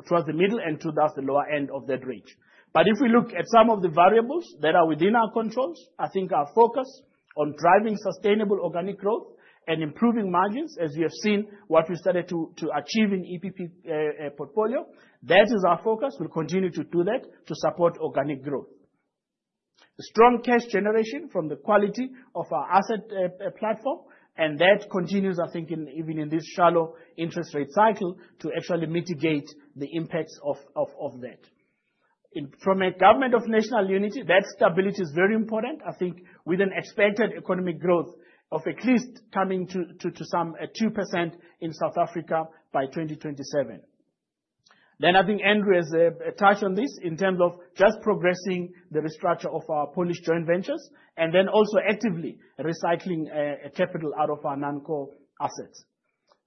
[SPEAKER 3] towards the middle and towards the lower end of that range. If we look at some of the variables that are within our controls, I think our focus on driving sustainable organic growth and improving margins, as you have seen what we started to achieve in EPP portfolio. That is our focus. We'll continue to do that to support organic growth. Strong cash generation from the quality of our asset platform and that continues, I think, even in this shallow interest rate cycle, to actually mitigate the impacts of that. In terms of a government of national unity, that stability is very important. I think with an expected economic growth of at least coming to some 2% in South Africa by 2027. I think Andrew has touched on this in terms of just progressing the restructure of our Polish joint ventures and then also actively recycling capital out of our non-core assets.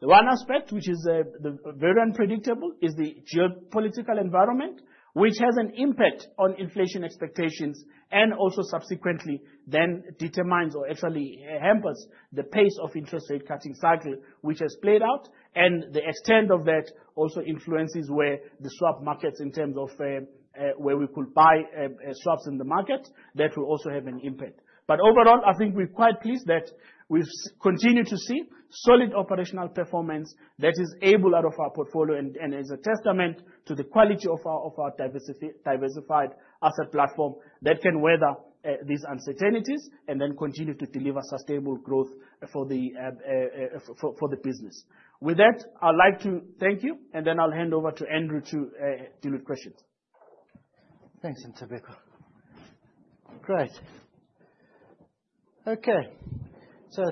[SPEAKER 3] The one aspect which is the very unpredictable is the geopolitical environment, which has an impact on inflation expectations and also subsequently then determines or actually hampers the pace of interest rate cutting cycle which has played out. The extent of that also influences where the swap markets in terms of where we could buy swaps in the market, that will also have an impact. Overall, I think we're quite pleased that we continue to see solid operational performance that is able out of our portfolio and is a testament to the quality of our diversified asset platform that can weather these uncertainties and then continue to deliver sustainable growth for the business. With that, I'd like to thank you and then I'll hand over to Andrew to deal with questions.
[SPEAKER 1] Thanks, Ntobeko. Great. Okay.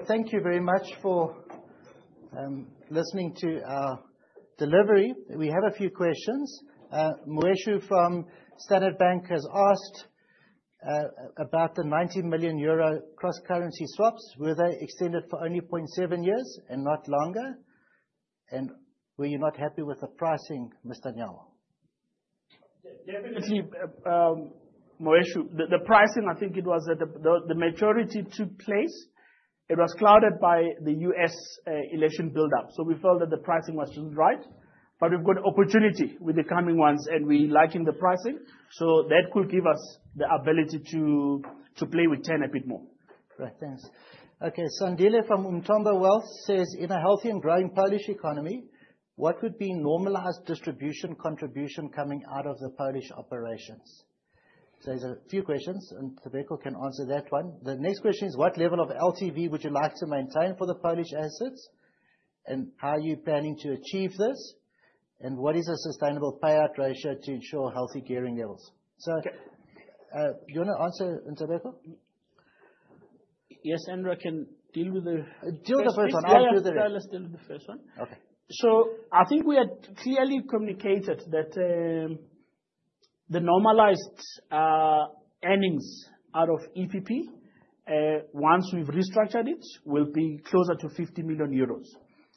[SPEAKER 1] Thank you very much for listening to our delivery. We have a few questions. Maite from Standard Bank has asked about the 90 million euro cross-currency swaps. Were they extended for only 0.7 years and not longer? And were you not happy with the pricing, Mr. Nyawo?
[SPEAKER 3] Definitely, Maite, the pricing, I think it was at the majority took place. It was clouded by the U.S. election buildup. We felt that the pricing wasn't right. We've got opportunity with the coming ones and we liking the pricing. That could give us the ability to play with 10 a bit more.
[SPEAKER 1] Great. Thanks. Okay, Sandile from Umthombo Wealth says, "In a healthy and growing Polish economy, what would be normalized distribution contribution coming out of the Polish operations?" There's a few questions, Ntobeko can answer that one. The next question is, "What level of LTV would you like to maintain for the Polish assets and how are you planning to achieve this? And what is a sustainable payout ratio to ensure healthy gearing levels? Do you wanna answer, Ntobeko?
[SPEAKER 3] Yes, Andrew, I can deal with the.
[SPEAKER 1] Deal the first one. I'll do the other.
[SPEAKER 3] Yes, please, yeah, let's deal with the first one.
[SPEAKER 1] Okay.
[SPEAKER 3] I think we had clearly communicated that the normalized earnings out of EPP, once we've restructured it, will be closer to 50 million euros.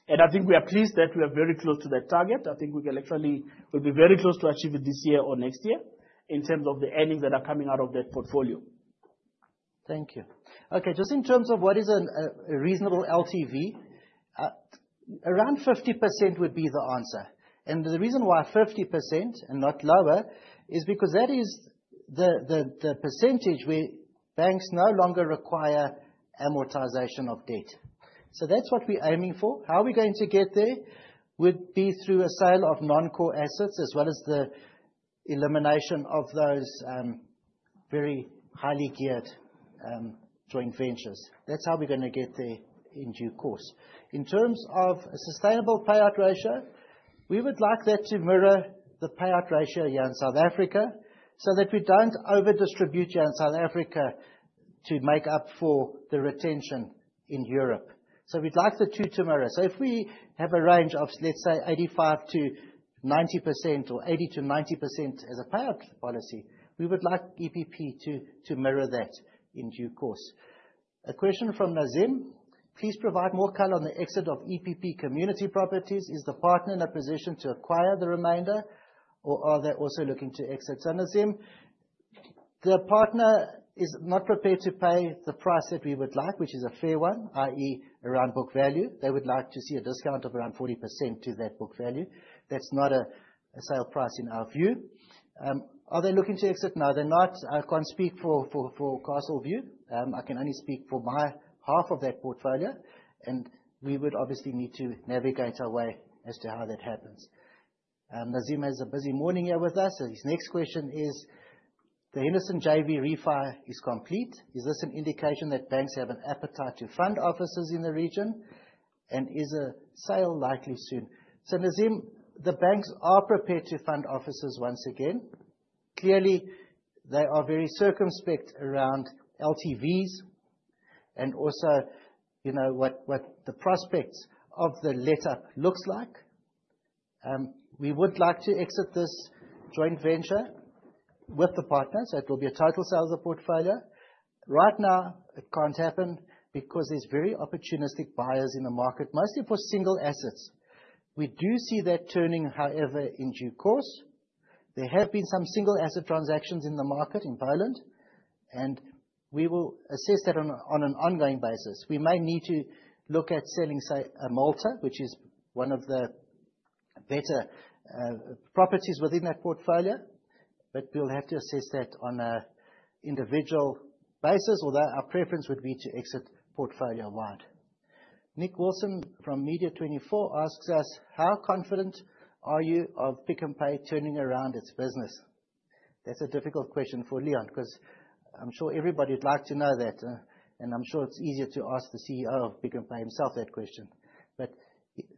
[SPEAKER 3] I think we are pleased that we are very close to that target. I think we'll be very close to achieve it this year or next year in terms of the earnings that are coming out of that portfolio.
[SPEAKER 1] Thank you. Okay, just in terms of what is a reasonable LTV, around 50% would be the answer. The reason why 50% and not lower is because that is the percentage where banks no longer require amortization of debt. That's what we're aiming for. How we're going to get there would be through a sale of non-core assets as well as the elimination of those very highly geared joint ventures. That's how we're gonna get there in due course. In terms of a sustainable payout ratio, we would like that to mirror the payout ratio here in South Africa, so that we don't overdistribute here in South Africa to make up for the retention in Europe. We'd like the two to mirror. If we have a range of, let's say, 85%-90% or 80%-90% as a payout policy, we would like EPP to mirror that in due course. A question from Nazim: "Please provide more color on the exit of EPP community properties. Is the partner in a position to acquire the remainder or are they also looking to exit?" Nazim, the partner is not prepared to pay the price that we would like, which is a fair one, i.e., around book value. They would like to see a discount of around 40% to that book value. That's not a sale price in our view. Are they looking to exit? No, they're not. I can't speak for Castleview. I can only speak for my half of that portfolio and we would obviously need to navigate our way as to how that happens. Nazim has a busy morning here with us. His next question is, "The Henderson JV refi is complete. Is this an indication that banks have an appetite to fund offices in the region and is a sale likely soon?" Nazim, the banks are prepared to fund offices once again. Clearly, they are very circumspect around LTVs and also, you know, what the prospects of the latter looks like. We would like to exit this joint venture with the partners. That will be a total sale of the portfolio. Right now, it can't happen because there's very opportunistic buyers in the market, mostly for single assets. We do see that turning, however, in due course. There have been some single asset transactions in the market in Ireland and we will assess that on an ongoing basis. We may need to look at selling, say, Malta, which is one of the better properties within that portfolio but we'll have to assess that on a individual basis. Although our preference would be to exit portfolio-wide. Nick Wilson from Media24 asks us, "How confident are you of Pick n Pay turning around its business?" That's a difficult question for Leon, 'cause I'm sure everybody would like to know that and I'm sure it's easier to ask the CEO of Pick n Pay himself that question.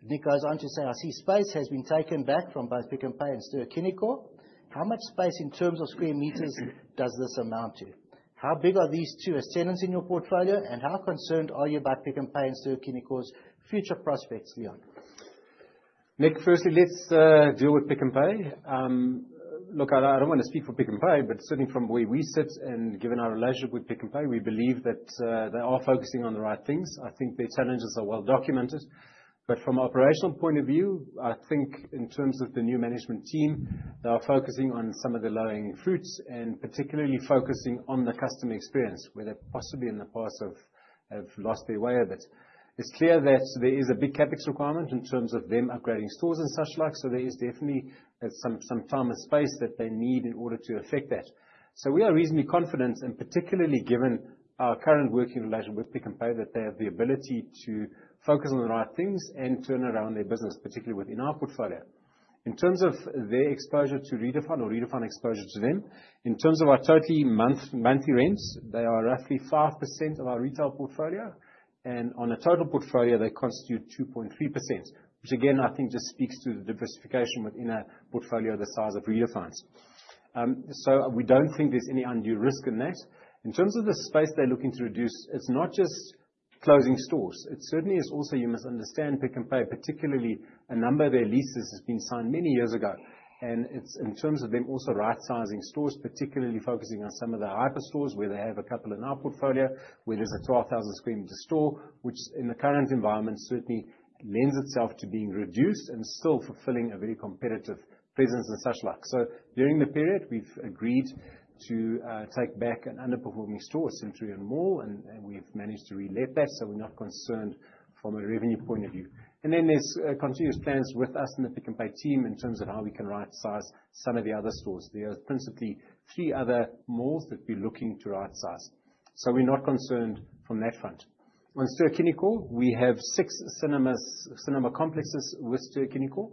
[SPEAKER 1] Nick goes on to say, "I see space has been taken back from both Pick n Pay and Ster-Kinekor. How much space in terms of square meters does this amount to? How big are these two as tenants in your portfolio and how concerned are you about Pick n Pay and Ster-Kinekor's future prospects, Leon?
[SPEAKER 2] Nick, firstly, let's deal with Pick n Pay. Look, I don't wanna speak for Pick n Pay but certainly from where we sit and given our relationship with Pick n Pay, we believe that they are focusing on the right things. I think their challenges are well documented. From operational point of view, I think in terms of the new management team, they are focusing on some of the low-hanging fruits and particularly focusing on the customer experience, where they possibly in the past have lost their way a bit. It's clear that there is a big CapEx requirement in terms of them upgrading stores and such like, so there is definitely some time and space that they need in order to effect that. We are reasonably confident and particularly given our current working relationship with Pick n Pay, that they have the ability to focus on the right things and turn around their business, particularly within our portfolio. In terms of their exposure to Redefine or Redefine exposure to them, in terms of our total monthly rents, they are roughly 5% of our retail portfolio. On a total portfolio they constitute 2.3%. Which again, I think just speaks to the diversification within a portfolio the size of Redefine's. We don't think there's any undue risk in that. In terms of the space they're looking to reduce, it's not just closing stores. It certainly is also, you must understand Pick n Pay, particularly a number of their leases has been signed many years ago. It's in terms of them also right-sizing stores, particularly focusing on some of the hyper stores where they have a couple in our portfolio, where there's a 12,000 sq m store, which in the current environment certainly lends itself to being reduced and still fulfilling a very competitive presence and such like. During the period, we've agreed to take back an underperforming store at Centurion Mall and we've managed to relet that, so we're not concerned from a revenue point of view. There's continuous plans with us and the Pick n Pay team in terms of how we can right-size some of the other stores. There are principally three other malls that we're looking to right-size. We're not concerned from that front. On Ster-Kinekor, we have six cinemas, cinema complexes with Ster-Kinekor.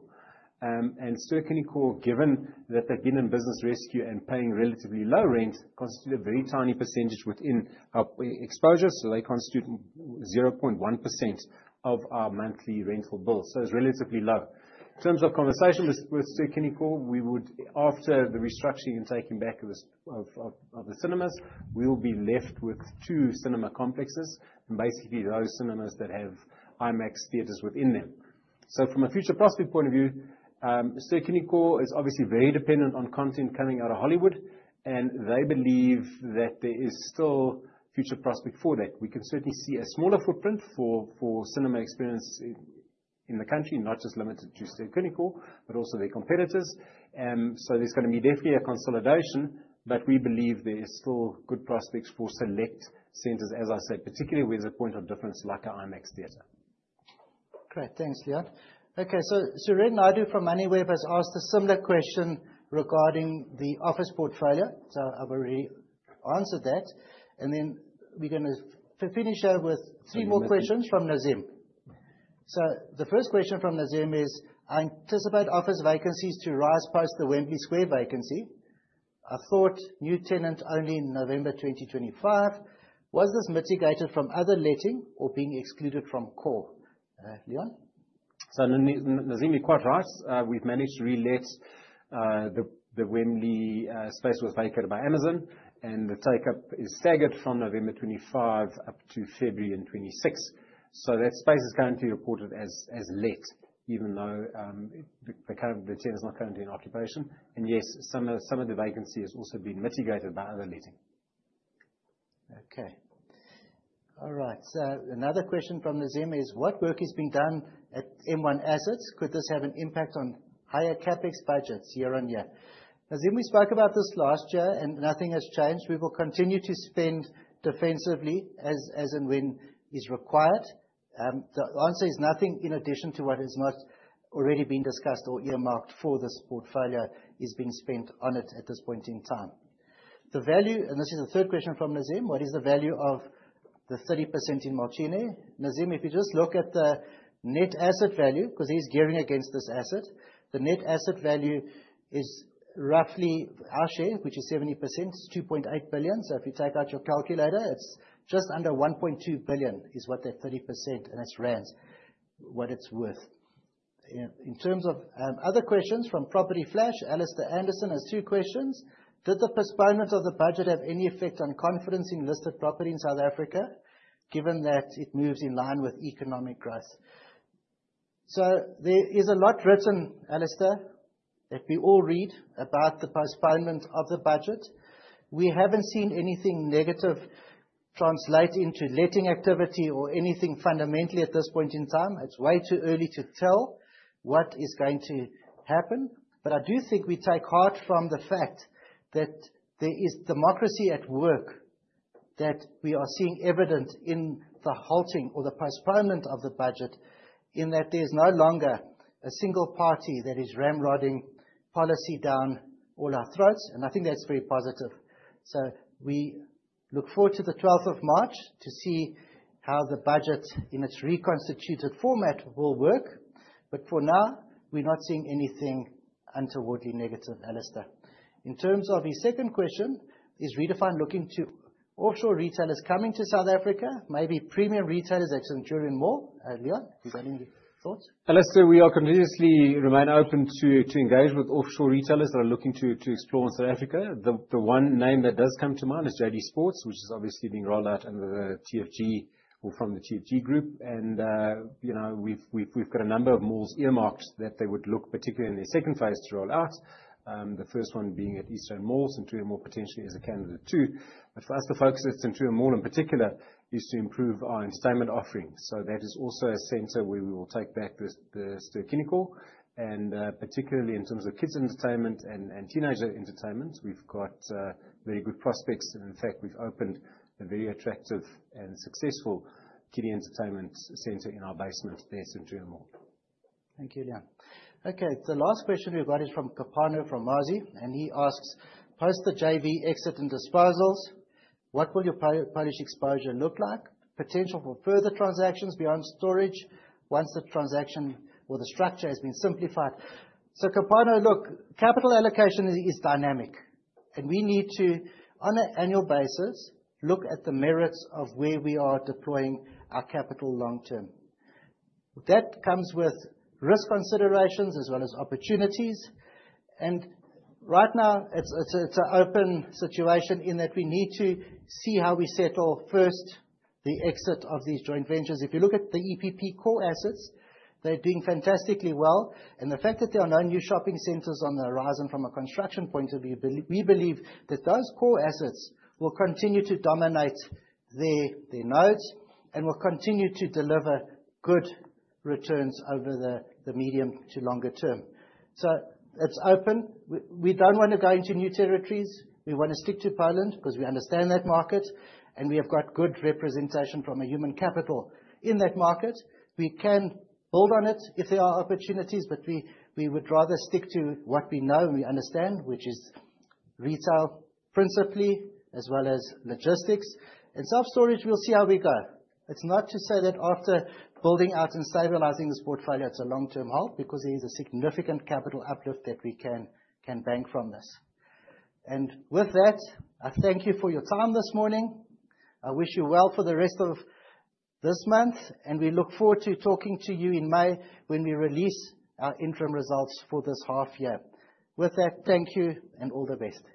[SPEAKER 2] Ster-Kinekor, given that they've been in business rescue and paying relatively low rent, constitute a very tiny percentage within our exposure, so they constitute zero point one percent of our monthly rental bill. It's relatively low. In terms of conversation with Ster-Kinekor, we would, after the restructuring and taking back of the cinemas, we will be left with two cinema complexes and basically those cinemas that have IMAX theaters within them. From a future prospect point of view, Ster-Kinekor is obviously very dependent on content coming out of Hollywood and they believe that there is still future prospect for that. We can certainly see a smaller footprint for cinema experience in the country, not just limited to Ster-Kinekor but also their competitors. There's gonna be definitely a consolidation but we believe there is still good prospects for select centers, as I said, particularly with a point of difference like a IMAX theater.
[SPEAKER 1] Great. Thanks, Leon. Okay, Suren Naidu from Moneyweb has asked a similar question regarding the office portfolio. I've already answered that. Then we're gonna finish up with three more questions from Nazim. The first question from Nazim is, "I anticipate office vacancies to rise post the Wembley Square vacancy. I thought new tenant only in November 2025. Was this mitigated from other letting or being excluded from core?" Leon?
[SPEAKER 2] Nazim, you're quite right. We've managed to relet the Wembley space that was vacated by Amazon and the take-up is staggered from November 2025 up to February 2026. That space is currently reported as let, even though the current tenant is not currently in occupation. Yes, some of the vacancy has also been mitigated by other letting.
[SPEAKER 1] Okay. All right, another question from Nazim is: "What work is being done at M1 Assets? Could this have an impact on higher CapEx budgets year on year?" Nazim, we spoke about this last year and nothing has changed. We will continue to spend defensively as and when is required. The answer is nothing in addition to what has not already been discussed or earmarked for this portfolio is being spent on it at this point in time. The value and this is the third question from Nazim, "What is the value of the 30% in Młociny?" Nazim, if you just look at the net asset value, 'cause he's gearing against this asset, the net asset value is roughly our share, which is 70%, it's 2.8 billion. If you take out your calculator, it's just under 1.2 billion is what that 30% and that's ZAR, what it's worth. In terms of other questions from Property Flash, Alistair Anderson has two questions. "Did the postponement of the budget have any effect on confidence in listed property in South Africa, given that it moves in line with economic growth?" There is a lot written, Alistair, that we all read about the postponement of the budget. We haven't seen anything negative translate into letting activity or anything fundamentally at this point in time. It's way too early to tell what is going to happen. I do think we take heart from the fact that there is democracy at work, that we are seeing evidence in the halting or the postponement of the budget, in that there's no longer a single party that is ramrodding policy down all our throats and I think that's very positive. We look forward to the twelfth of March to see how the budget, in its reconstituted format, will work. For now, we're not seeing anything untowardly negative, Alistair. In terms of his second question, "Is Redefine looking to offshore retailers coming to South Africa, maybe premium retailers at Centurion Mall?" Leon, have you got any thoughts?
[SPEAKER 2] Alistair, we are continuously remain open to engage with offshore retailers that are looking to explore in South Africa. The one name that does come to mind is JD Sports, which is obviously being rolled out under the TFG or from the TFG group. You know, we've got a number of malls earmarked that they would look particularly in the second phase to roll out. The first one being at East Rand Mall. Centurion Mall potentially is a candidate, too. For us, the focus at Centurion Mall, in particular, is to improve our entertainment offerings. That is also a center where we will take back the Ster-Kinekor. Particularly in terms of kids entertainment and teenager entertainment, we've got very good prospects. In fact, we've opened a very attractive and successful kiddie entertainment center in our basement there at Centurion Mall.
[SPEAKER 1] Thank you, Leon. Okay, the last question we got is from Kgapano from Mazi and he asks, "Post the JV exit and disposals, what will your Polish exposure look like? Potential for further transactions beyond storage once the transaction or the structure has been simplified?" So Kgapano, look, capital allocation is dynamic. We need to, on an annual basis, look at the merits of where we are deploying our capital long term. That comes with risk considerations as well as opportunities. Right now, it's an open situation in that we need to see how we settle first the exit of these joint ventures. If you look at the EPP Core assets, they're doing fantastically well. The fact that there are no new shopping centers on the horizon from a construction point of view, we believe that those core assets will continue to dominate their nodes and will continue to deliver good returns over the medium to longer term. It's open. We don't wanna go into new territories. We wanna stick to Poland because we understand that market and we have got good representation from a human capital in that market. We can build on it if there are opportunities but we would rather stick to what we know and we understand, which is retail, principally, as well as logistics. In self-storage, we'll see how we go. It's not to say that after building out and stabilizing this portfolio, it's a long-term hold because there is a significant capital uplift that we can bank from this. With that, I thank you for your time this morning. I wish you well for the rest of this month and we look forward to talking to you in May when we release our interim results for this half year. With that, thank you and all the best.